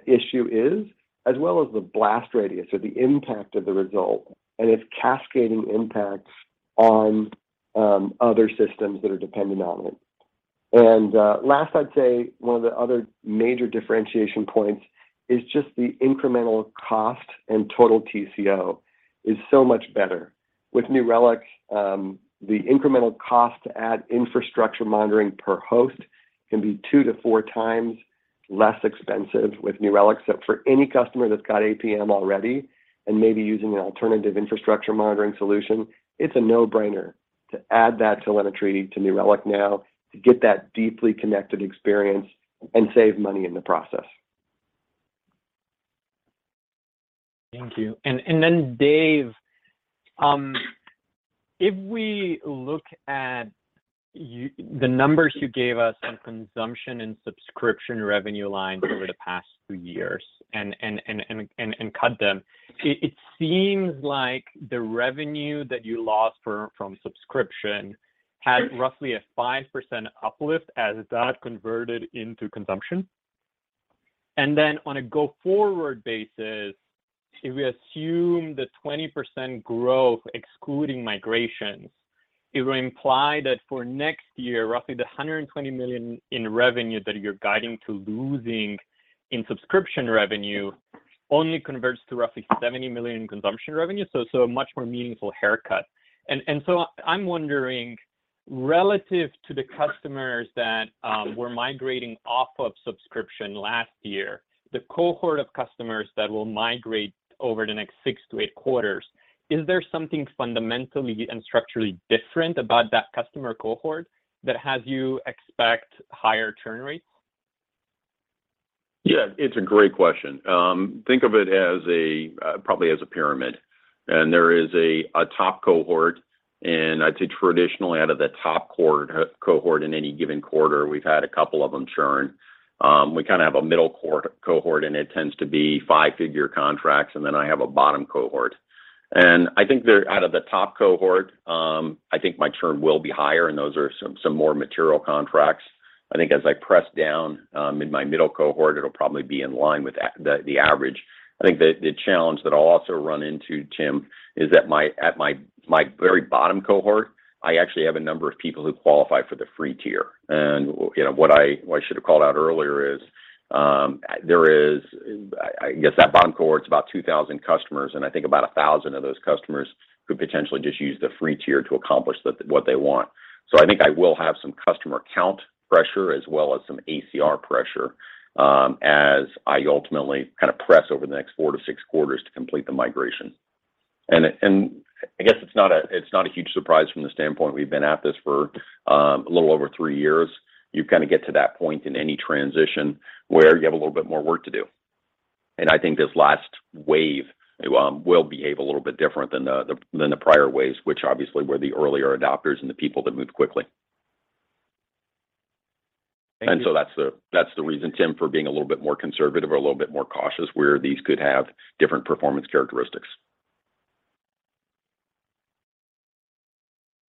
issue is, as well as the blast radius or the impact of the result, and its cascading impacts on other systems that are dependent on it. Last I'd say one of the other major differentiation points is just the incremental cost and total TCO is so much better. With New Relic, the incremental cost to add infrastructure monitoring per host can be 2 to 4 times less expensive with New Relic. For any customer that's got APM already and may be using an alternative infrastructure monitoring solution, it's a no-brainer to add that telemetry to New Relic now to get that deeply connected experience and save money in the process. Thank you. Then Dave, if we look at the numbers you gave us on consumption and subscription revenue lines over the past two years and cut them, it seems like the revenue that you lost from subscription had roughly a 5% uplift as that converted into consumption. Then on a go-forward basis, if we assume the 20% growth excluding migrations, it would imply that for next year, roughly the $120 million in revenue that you're guiding to losing in subscription revenue only converts to roughly $70 million in consumption revenue. A much more meaningful haircut. I'm wondering, relative to the customers that were migrating off of subscription last year, the cohort of customers that will migrate over the next six to eight quarters, is there something fundamentally and structurally different about that customer cohort that has you expect higher churn rates? Yeah, it's a great question. Think of it as a probably as a pyramid, and there is a top cohort, and I'd say traditionally out of the top cohort in any given quarter, we've had a couple of them churn. We kind of have a middle cohort, and it tends to be 5-figure contracts, and then I have a bottom cohort. I think they're out of the top cohort, I think my churn will be higher, and those are some more material contracts. I think as I press down, in my middle cohort, it'll probably be in line with the average. I think the challenge that I'll also run into, Tim, is at my very bottom cohort, I actually have a number of people who qualify for the free tier. You know, what I, what I should have called out earlier is, there is, I guess that bottom cohort is about 2,000 customers, and I think about 1,000 of those customers could potentially just use the free tier to accomplish what they want. I think I will have some customer count pressure as well as some ACR pressure, as I ultimately kind of press over the next 4-6 quarters to complete the migration. I guess it's not a, it's not a huge surprise from the standpoint we've been at this for a little over 3 years. You kind of get to that point in any transition where you have a little bit more work to do. I think this last wave will behave a little bit different than the prior waves, which obviously were the earlier adopters and the people that moved quickly. Thank you. That's the reason, Tim, for being a little bit more conservative or a little bit more cautious where these could have different performance characteristics.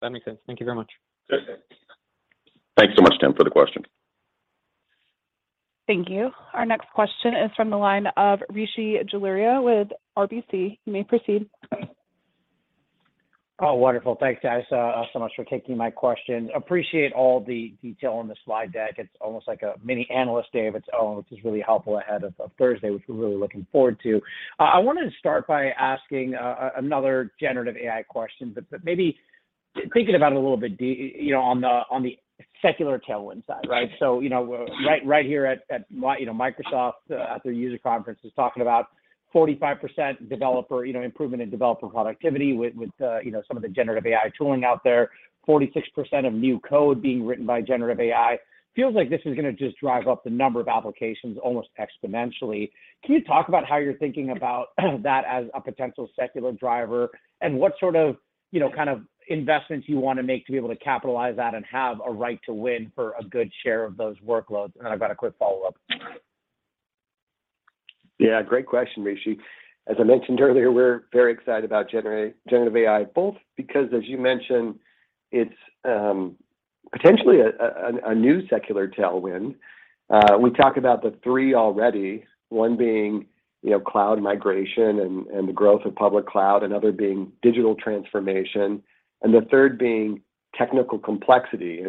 That makes sense. Thank you very much. Thanks so much, Tim, for the question. Thank you. Our next question is from the line of Rishi Jaluria with RBC. You may proceed. Wonderful. Thanks, guys, so much for taking my question. Appreciate all the detail on the slide deck. It's almost like a mini analyst day of its own, which is really helpful ahead of Thursday, which we're really looking forward to. I wanted to start by asking another generative AI question, maybe thinking about it a little bit you know, on the secular tailwind side, right? You know, right here at Microsoft at their user conference is talking about 45% developer, you know, improvement in developer productivity with, you know, some of the generative AI tooling out there. 46% of new code being written by generative AI. Feels like this is gonna just drive up the number of applications almost exponentially. Can you talk about how you're thinking about that as a potential secular driver, and what sort of, you know, kind of investments you wanna make to be able to capitalize that and have a right to win for a good share of those workloads? Then I've got a quick follow-up. Yeah, great question, Rishi. As I mentioned earlier, we're very excited about generative AI, both because as you mentioned, it's potentially a new secular tailwind. We talk about the three already, one being, you know, cloud migration and the growth of public cloud. Another being digital transformation, and the third being technical complexity.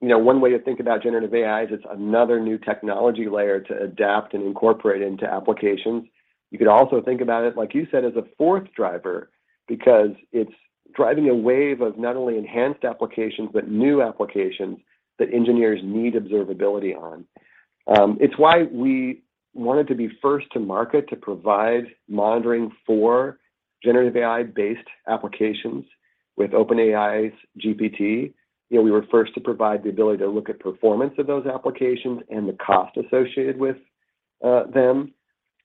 You know, one way to think about generative AI is it's another new technology layer to adapt and incorporate into applications. You could also think about it, like you said, as a fourth driver because it's driving a wave of not only enhanced applications, but new applications that engineers need observability on. It's why we wanted to be first to market to provide monitoring for generative AI-based applications with OpenAI's GPT. You know, we were first to provide the ability to look at performance of those applications and the cost associated with them.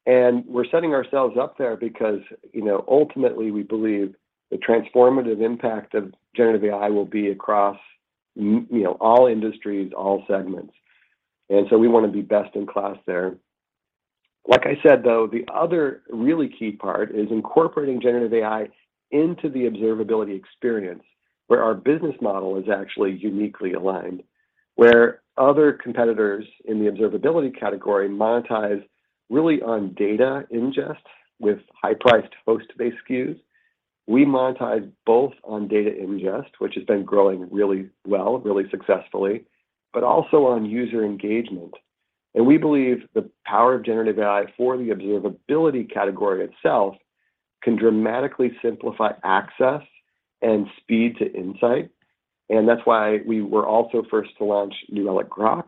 We're setting ourselves up there because, you know, ultimately we believe the transformative impact of generative AI will be across you know, all industries, all segments. We wanna be best in class there. Like I said, though, the other really key part is incorporating generative AI into the observability experience where our business model is actually uniquely aligned. Where other competitors in the observability category monetize really on data ingest with high-priced host-based SKUs, we monetize both on data ingest, which has been growing really well, really successfully, but also on user engagement. We believe the power of generative AI for the observability category itself can dramatically simplify access and speed to insight, and that's why we were also first to launch New Relic Grok.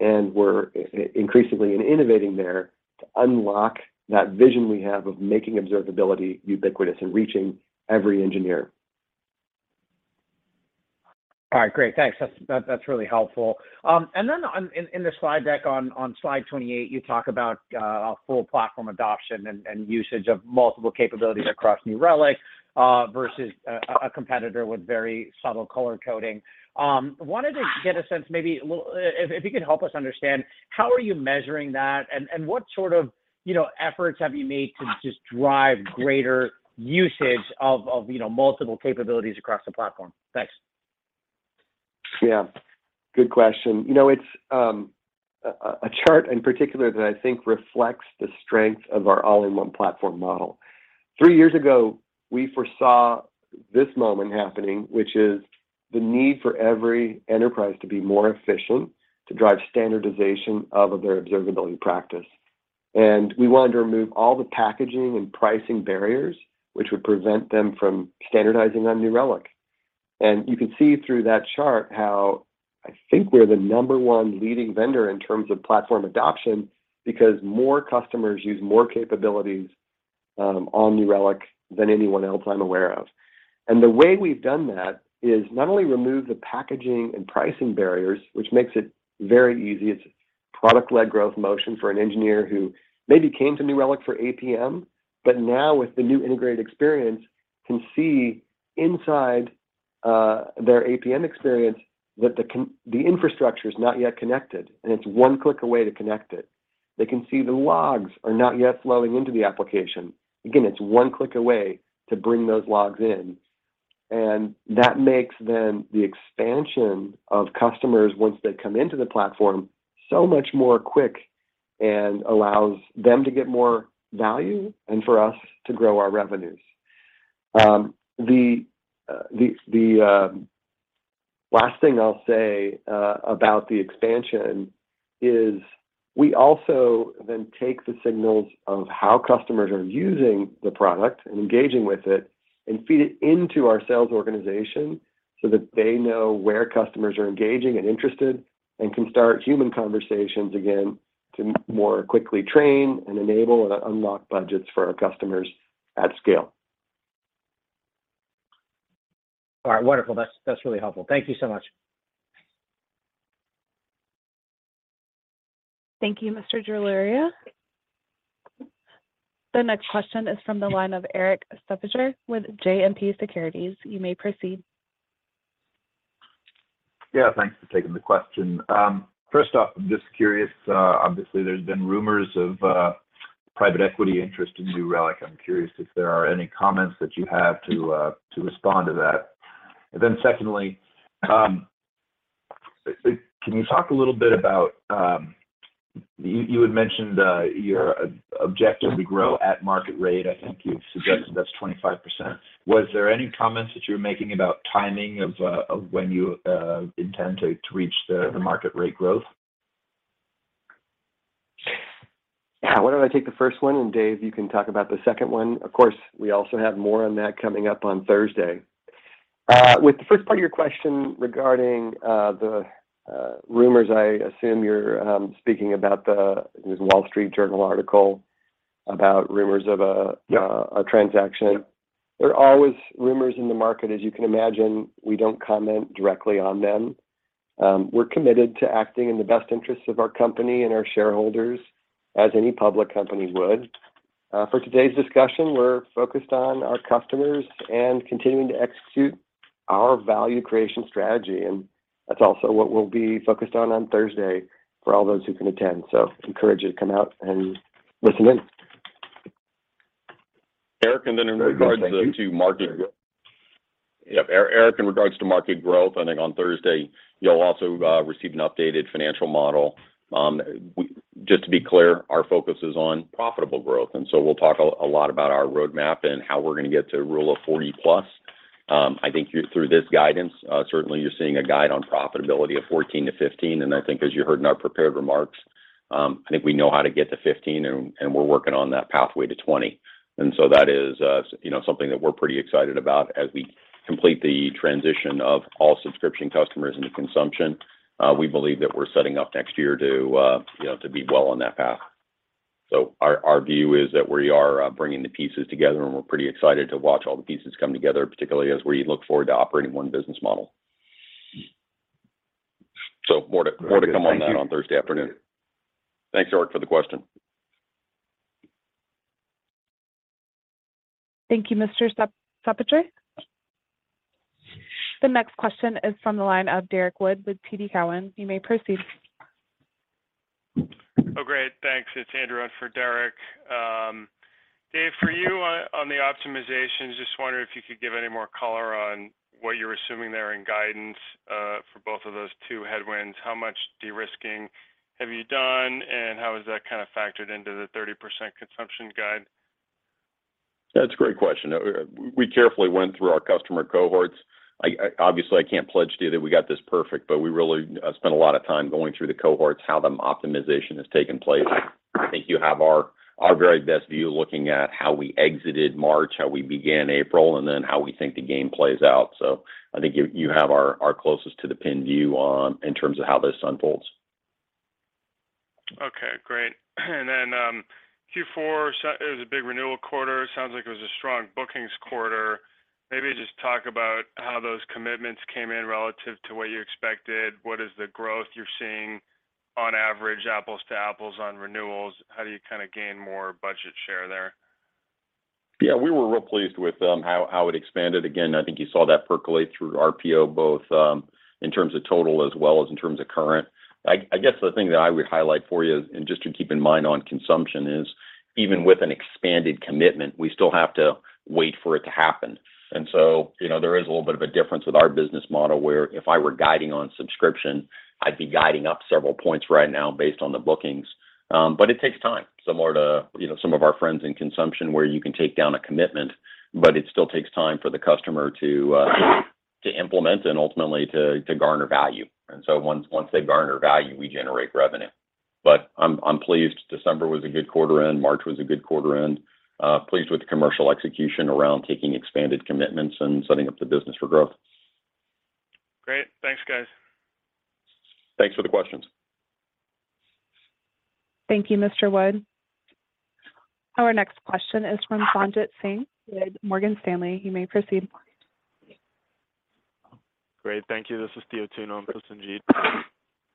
We're increasingly in innovating there to unlock that vision we have of making observability ubiquitous and reaching every engineer. All right. Great. Thanks. That's, that's really helpful. In the slide deck on slide 28, you talk about full platform adoption and usage of multiple capabilities across New Relic, versus a competitor with very subtle color coding. Wanted to get a sense maybe if you could help us understand how are you measuring that, and what sort of, you know, efforts have you made to just drive greater usage of, you know, multiple capabilities across the platform? Thanks. Yeah. Good question. You know, it's a chart in particular that I think reflects the strength of our all-in-one platform model. Three years ago, we foresaw this moment happening, which is the need for every enterprise to be more efficient to drive standardization of their observability practice. We wanted to remove all the packaging and pricing barriers which would prevent them from standardizing on New Relic. You can see through that chart how I think we're the number one leading vendor in terms of platform adoption because more customers use more capabilities on New Relic than anyone else I'm aware of. The way we've done that is not only remove the packaging and pricing barriers, which makes it very easy. It's product-led growth motion for an engineer who maybe came to New Relic for APM, but now with the new integrated experience, can see inside their APM experience that the infrastructure is not yet connected, and it's one click away to connect it. They can see the logs are not yet flowing into the application. Again, it's one click away to bring those logs in. That makes then the expansion of customers once they come into the platform so much more quick and allows them to get more value and for us to grow our revenues. The last thing I'll say about the expansion is we also then take the signals of how customers are using the product and engaging with it and feed it into our sales organization so that they know where customers are engaging and interested and can start human conversations again to more quickly train and enable or unlock budgets for our customers at scale. All right. Wonderful. That's really helpful. Thank you so much. Thank you, Mr. Jaluria. The next question is from the line of Erik Suppiger with JMP Securities. You may proceed. Yeah. Thanks for taking the question. First off, I'm just curious, obviously there's been rumors of private equity interest in New Relic. I'm curious if there are any comments that you have to respond to that. Secondly, can you talk a little bit about? You had mentioned your objectively grow at market rate. I think you suggested that's 25%. Was there any comments that you were making about timing of when you intend to reach the market rate growth? Yeah. Why don't I take the first one, and David, you can talk about the second one. Of course, we also have more on that coming up on Thursday. With the first part of your question regarding the rumors, I assume you're speaking about the. It was a The Wall Street Journal article about rumors of. Yeah... a transaction. Yeah. There are always rumors in the market, as you can imagine. We don't comment directly on them. We're committed to acting in the best interest of our company and our shareholders as any public company would. For today's discussion, we're focused on our customers and continuing to execute our value creation strategy, and that's also what we'll be focused on on Thursday for all those who can attend. Encourage you to come out and listen in. Yep, Erik. Thank you. Yep. Erik, in regards to market growth, I think on Thursday you'll also receive an updated financial model. Just to be clear, our focus is on profitable growth, so we'll talk a lot about our roadmap and how we're gonna get to a Rule of 40-plus. I think through this guidance, certainly you're seeing a guide on profitability of 14%-15%, and I think as you heard in our prepared remarks, I think we know how to get to 15% and we're working on that pathway to 20%. That is, you know, something that we're pretty excited about as we complete the transition of all subscription customers into consumption. We believe that we're setting up next year to, you know, to be well on that path. Our view is that we are bringing the pieces together, and we're pretty excited to watch all the pieces come together, particularly as we look forward to operating one business model. More to. Great. Thank you... more to come on that on Thursday afternoon. Thanks, Erik, for the question. Thank you, Mr. Suppiger. The next question is from the line of Derrick Wood with TD Cowen. You may proceed. Great. Thanks. It's Andrew in for Derrick. Dave, for you on the optimization, just wondering if you could give any more color on what you're assuming there in guidance for both of those two headwinds. How much de-risking have you done, how is that kind of factored into the 30% consumption guide? That's a great question. We carefully went through our customer cohorts. Obviously, I can't pledge to you that we got this perfect, but we really spent a lot of time going through the cohorts, how the optimization has taken place. I think you have our very best view looking at how we exited March, how we began April, and then how we think the game plays out. I think you have our closest to the pin view in terms of how this unfolds. Okay. Great. Q4, so it was a big renewal quarter. Sounds like it was a strong bookings quarter. Maybe just talk about how those commitments came in relative to what you expected. What is the growth you're seeing on average, apples to apples, on renewals? How do you kinda gain more budget share there? Yeah. We were real pleased with how it expanded. I think you saw that percolate through RPO both in terms of total as well as in terms of current. I guess the thing that I would highlight for you and just to keep in mind on consumption is even with an expanded commitment, we still have to wait for it to happen. You know, there is a little bit of a difference with our business model where if I were guiding on subscription, I'd be guiding up several points right now based on the bookings. It takes time, similar to, you know, some of our friends in consumption where you can take down a commitment, but it still takes time for the customer to implement and ultimately to garner value. Once they garner value, we generate revenue. I'm pleased December was a good quarter end. March was a good quarter end. Pleased with the commercial execution around taking expanded commitments and setting up the business for growth. Great. Thanks, guys. Thanks for the questions. Thank you, Mr. Wood. Our next question is from Sanjit Singh with Morgan Stanley. You may proceed. Great. Thank you. This is Theo Tune. I'm Sanjit.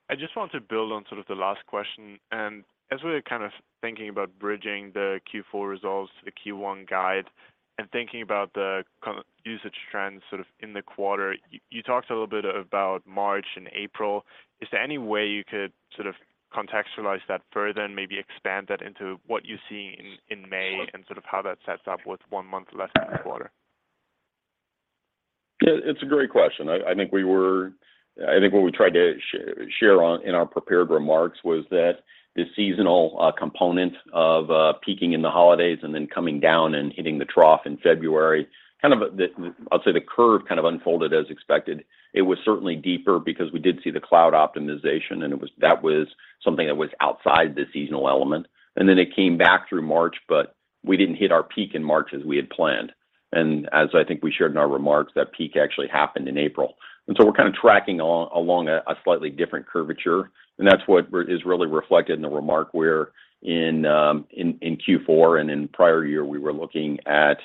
I just want to build on sort of the last question, and as we're kind of thinking about bridging the Q4 results to the Q1 guide and thinking about the kind of usage trends sort of in the quarter, you talked a little bit about March and April. Is there any way you could sort of contextualize that further and maybe expand that into what you see in May and sort of how that sets up with one month less in the quarter? Yeah. It's a great question. I think what we tried to share in our prepared remarks was that the seasonal component of peaking in the holidays and then coming down and hitting the trough in February, kind of the curve kind of unfolded as expected. It was certainly deeper because we did see the cloud optimization, and that was something that was outside the seasonal element. It came back through March, but we didn't hit our peak in March as we had planned. As I think we shared in our remarks, that peak actually happened in April. We're kind of tracking along a slightly different curvature, and that's what is really reflected in the remark where in Q4 and in prior year we were looking at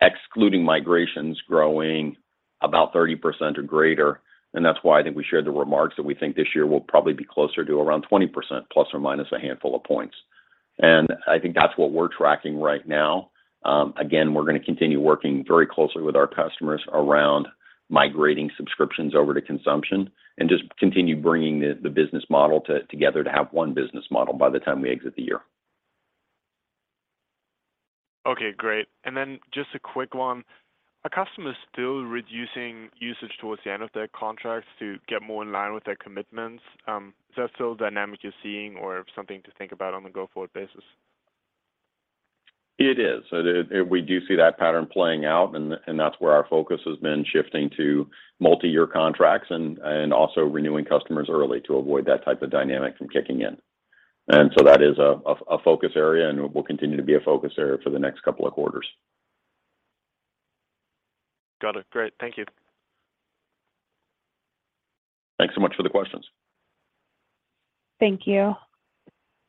excluding migrations growing about 30% or greater. That's why I think we shared the remarks that we think this year will probably be closer to around 20%, plus or minus a handful of points. I think that's what we're tracking right now. Again, we're gonna continue working very closely with our customers around migrating subscriptions over to consumption and just continue bringing the business model together to have one business model by the time we exit the year. Okay, great. Just a quick one. Are customers still reducing usage towards the end of their contracts to get more in line with their commitments? Is that still a dynamic you're seeing or something to think about on a go-forward basis? It is. The... We do see that pattern playing out and that's where our focus has been shifting to multiyear contracts and also renewing customers early to avoid that type of dynamic from kicking in. That is a, a focus area, and it will continue to be a focus area for the next couple of quarters. Got it. Great. Thank you. Thanks so much for the questions. Thank you.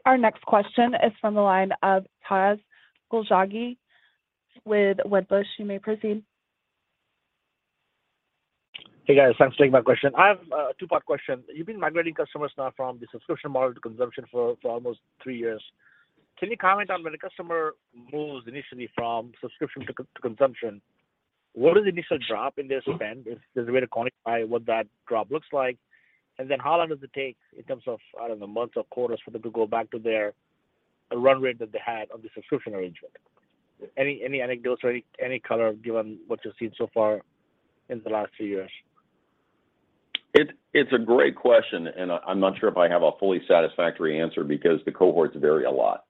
Our next question is from the line of Taz Koujalgi with Wedbush. You may proceed. Hey, guys. Thanks for taking my question. I have a two-part question. You've been migrating customers now from the subscription model to consumption for almost three years. Can you comment on when a customer moves initially from subscription to consumption, what is the initial drop in their spend? Is there a way to quantify what that drop looks like? How long does it take in terms of, I don't know, months or quarters for them to go back to their run rate that they had on the subscription arrangement? Any anecdotes or any color given what you've seen so far in the last few years? It's a great question, and I'm not sure if I have a fully satisfactory answer because the cohorts vary a lot.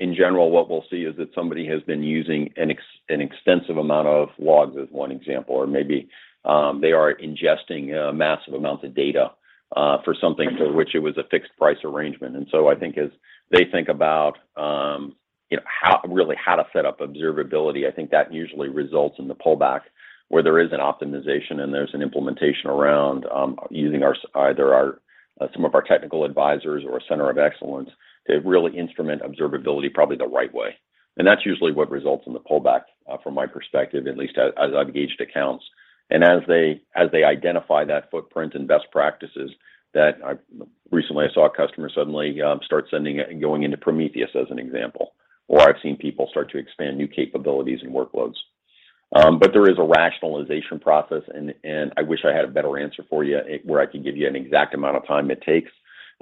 In general, what we'll see is that somebody has been using an extensive amount of logs, as one example, or maybe they are ingesting massive amounts of data for something for which it was a fixed price arrangement. I think as they think about, you know, really how to set up observability, I think that usually results in the pullback where there is an optimization and there's an implementation around using either our some of our technical advisors or a center of excellence to really instrument observability probably the right way. That's usually what results in the pullback from my perspective, at least as I've gauged accounts. As they identify that footprint and best practices that Recently, I saw a customer suddenly, start sending and going into Prometheus as an example, or I've seen people start to expand new capabilities and workloads. There is a rationalization process and I wish I had a better answer for you, where I could give you an exact amount of time it takes.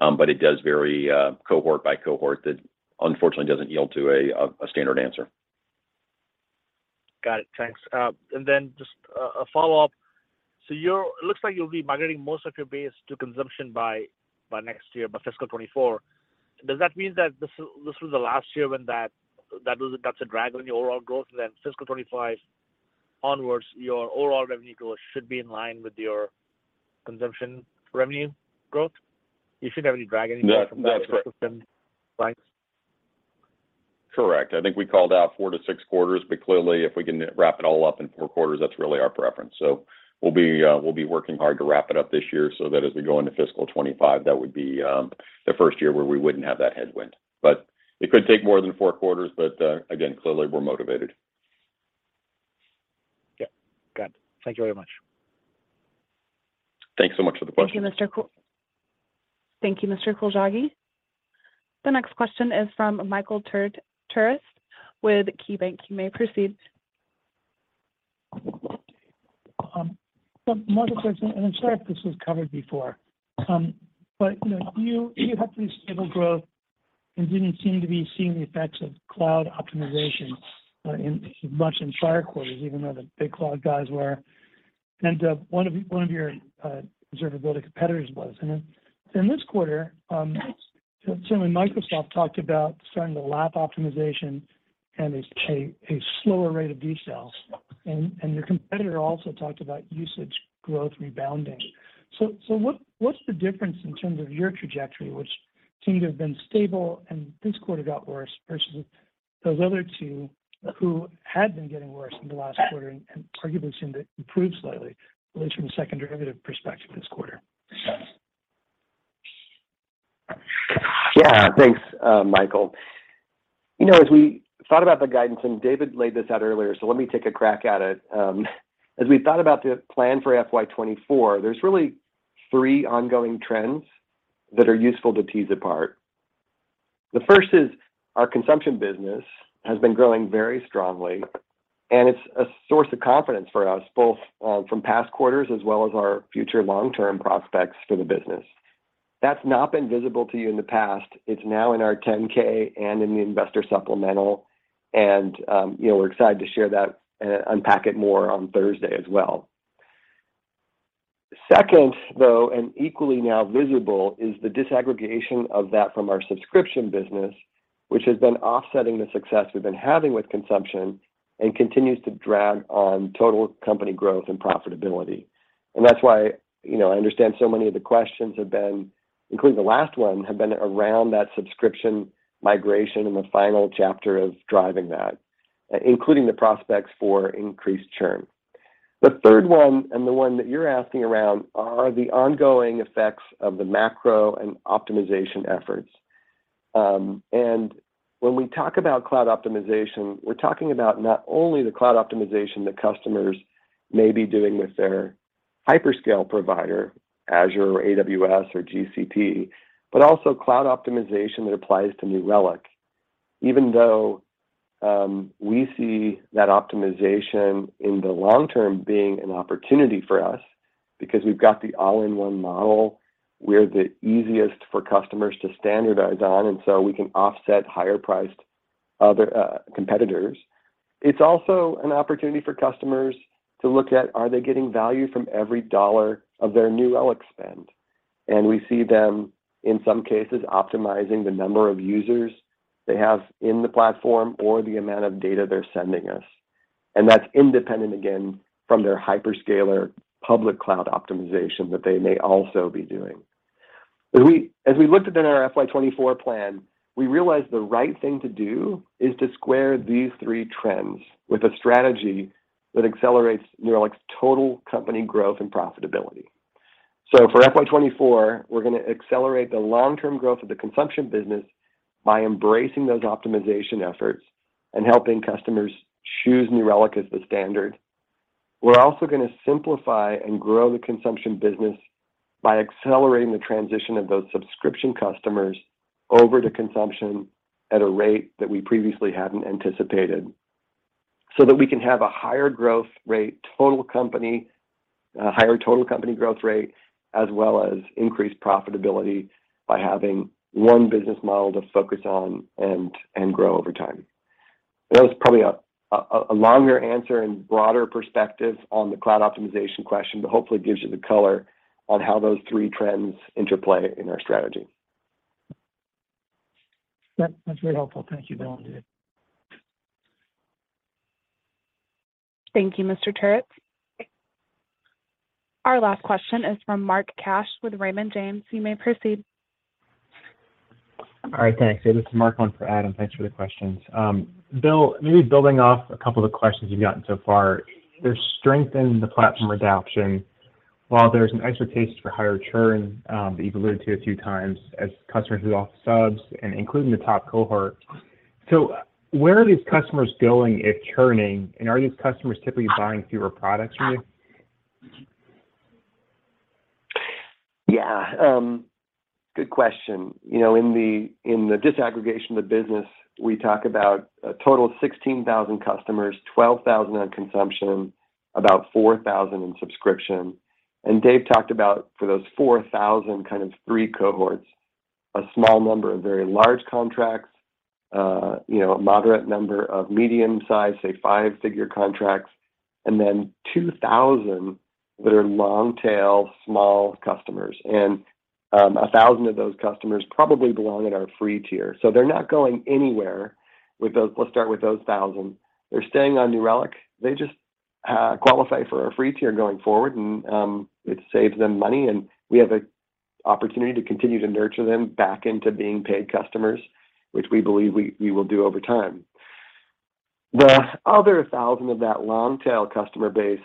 It does vary, cohort by cohort. That unfortunately doesn't yield to a standard answer. Got it. Thanks. And then just a follow-up. It looks like you'll be migrating most of your base to consumption by next year, by fiscal 2024. Does that mean that this was the last year when that's a drag on your overall growth, and then fiscal 2025 onwards, your overall revenue growth should be in line with your consumption revenue growth? You shouldn't have any drag anymore? No. No. That's correct.... from consumption lines? Correct. I think we called out four-six quarters, clearly, if we can wrap it all up in four quarters, that's really our preference. We'll be working hard to wrap it up this year so that as we go into fiscal 2025, that would be the first year where we wouldn't have that headwind. It could take more than four quarters, again, clearly we're motivated. Yeah. Got it. Thank you very much. Thanks so much for the question. Thank you, Mr. Koujalgi. The next question is from Michael Turits with KeyBanc. You may proceed. Michael Turits, and I'm sorry if this was covered before. You know, you have pretty stable growth and didn't seem to be seeing the effects of cloud optimization in as much in prior quarters, even though the big cloud guys were and one of your observability competitors was. Then in this quarter, certainly Microsoft talked about starting to lap optimization and a slower rate of de-sales, and your competitor also talked about usage growth rebounding. What's the difference in terms of your trajectory, which seemed to have been stable and this quarter got worse versus those other two who had been getting worse in the last quarter and arguably seemed to improve slightly at least from a second derivative perspective this quarter? Thanks, Michael. You know, as we thought about the guidance, and David laid this out earlier, let me take a crack at it. As we thought about the plan for FY 2024, there's really three ongoing trends that are useful to tease apart. The first is our consumption business has been growing very strongly, and it's a source of confidence for us both, from past quarters as well as our future long-term prospects for the business. That's not been visible to you in the past. It's now in our Form 10-K and in the investor supplemental, you know, we're excited to share that and unpack it more on Thursday as well. Second, though, and equally now visible, is the disaggregation of that from our subscription business, which has been offsetting the success we've been having with consumption and continues to drag on total company growth and profitability. That's why, you know, I understand so many of the questions have been, including the last one, have been around that subscription migration and the final chapter of driving that, including the prospects for increased churn. The third one, and the one that you're asking around, are the ongoing effects of the macro and optimization efforts. When we talk about cloud optimization, we're talking about not only the cloud optimization that customers may be doing with their Hyperscale provider Azure or AWS or GCP, also cloud optimization that applies to New Relic. Even though, we see that optimization in the long term being an opportunity for us because we've got the all-in-one model, we're the easiest for customers to standardize on, we can offset higher priced other competitors. It's also an opportunity for customers to look at are they getting value from every dollar of their New Relic spend. We see them, in some cases, optimizing the number of users they have in the platform or the amount of data they're sending us. That's independent, again, from their hyperscaler public cloud optimization that they may also be doing. As we looked at in our FY 2024 plan, we realized the right thing to do is to square these three trends with a strategy that accelerates New Relic's total company growth and profitability. For FY 2024, we're gonna accelerate the long-term growth of the consumption business by embracing those optimization efforts and helping customers choose New Relic as the standard. We're also gonna simplify and grow the consumption business by accelerating the transition of those subscription customers over to consumption at a rate that we previously hadn't anticipated so that we can have a higher growth rate, total company, higher total company growth rate, as well as increased profitability by having one business model to focus on and grow over time. That was probably a longer answer and broader perspective on the cloud optimization question, but hopefully gives you the color on how those three trends interplay in our strategy. That's very helpful. Thank you, Bill and Dave. Thank you, Mr. Turits. Our last question is from Mark Cash with Raymond James. You may proceed. All right. Thanks. Yeah, this is Mark, one for Adam. Thanks for the questions. Bill, maybe building off a couple of the questions you've gotten so far, there's strength in the platform adoption, while there's an extra taste for higher churn that you've alluded to a few times as customers move off subs and including the top cohort. Where are these customers going if churning, and are these customers typically buying fewer products from you? Yeah, good question. You know, in the disaggregation of the business, we talk about a total of 16,000 customers, 12,000 on consumption, about 4,000 in subscription. Dave talked about for those 4,000 kind of three cohorts, a small number of very large contracts, you know, a moderate number of medium-sized, say, five-figure contracts, and then 2,000 that are long-tail small customers. 1,000 of those customers probably belong in our free tier. They're not going anywhere. Let's start with those 1,000. They're staying on New Relic. They just qualify for our free tier going forward, and it saves them money, and we have an opportunity to continue to nurture them back into being paid customers, which we believe we will do over time. The other 1,000 of that long-tail customer base,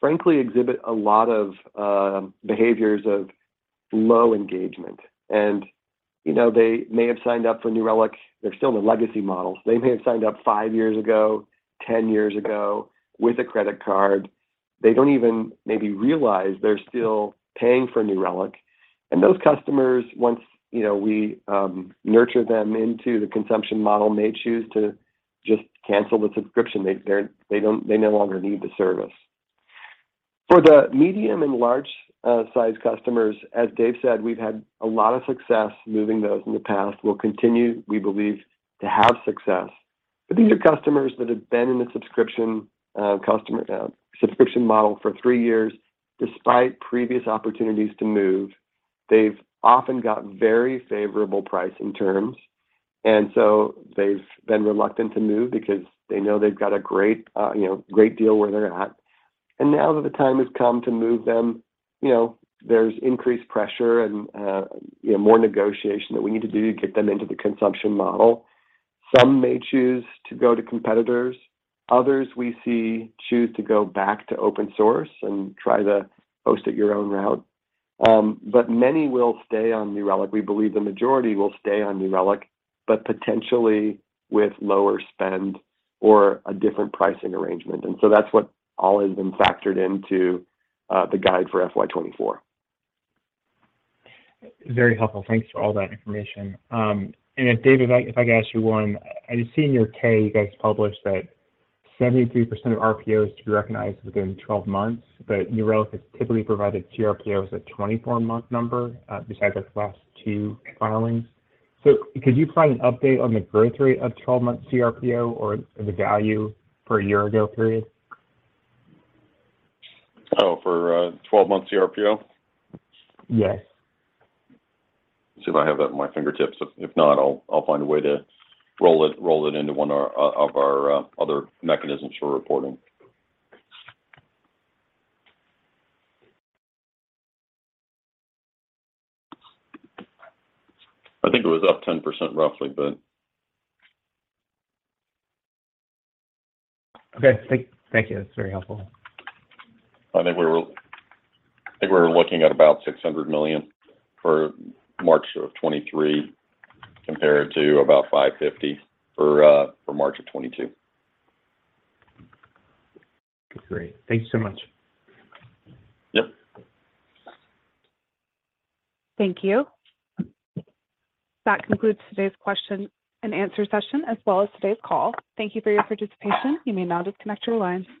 frankly exhibit a lot of behaviors of low engagement. You know, they may have signed up for New Relic. They're still in the legacy model. They may have signed up five years ago, 10 years ago with a credit card. They don't even maybe realize they're still paying for New Relic. Those customers, once, you know, we nurture them into the consumption model, may choose to just cancel the subscription. They no longer need the service. For the medium and large size customers, as Dave said, we've had a lot of success moving those in the past. We'll continue, we believe, to have success. These are customers that have been in the subscription customer subscription model for 3 years despite previous opportunities to move. They've often got very favorable pricing terms, they've been reluctant to move because they know they've got a great, you know, great deal where they're at. Now that the time has come to move them, you know, there's increased pressure and, you know, more negotiation that we need to do to get them into the consumption model. Some may choose to go to competitors. Others we see choose to go back to open source and try the host-it-your-own route. Many will stay on New Relic. We believe the majority will stay on New Relic, but potentially with lower spend or a different pricing arrangement. That's what all has been factored into the guide for FY 2024. Very helpful. Thanks for all that information. David, if I could ask you one. I just see in your K you guys published that 73% of RPOs to be recognized within 12 months, but New Relic has typically provided CRPOs a 24-month number, besides those last two filings. Could you provide an update on the growth rate of 12-month CRPO or the value for a year ago period? Oh, for 12-month CRPO? Yes. See if I have that at my fingertips. If not, I'll find a way to roll it into one of our other mechanisms for reporting. I think it was up 10% roughly, but. Okay. Thank you. That's very helpful. I think we're looking at about $600 million for March 2023 compared to about $550 for March 2022. Great. Thanks so much. Yep. Thank you. That concludes today's question and answer session, as well as today's call. Thank you for your participation. You may now disconnect your lines.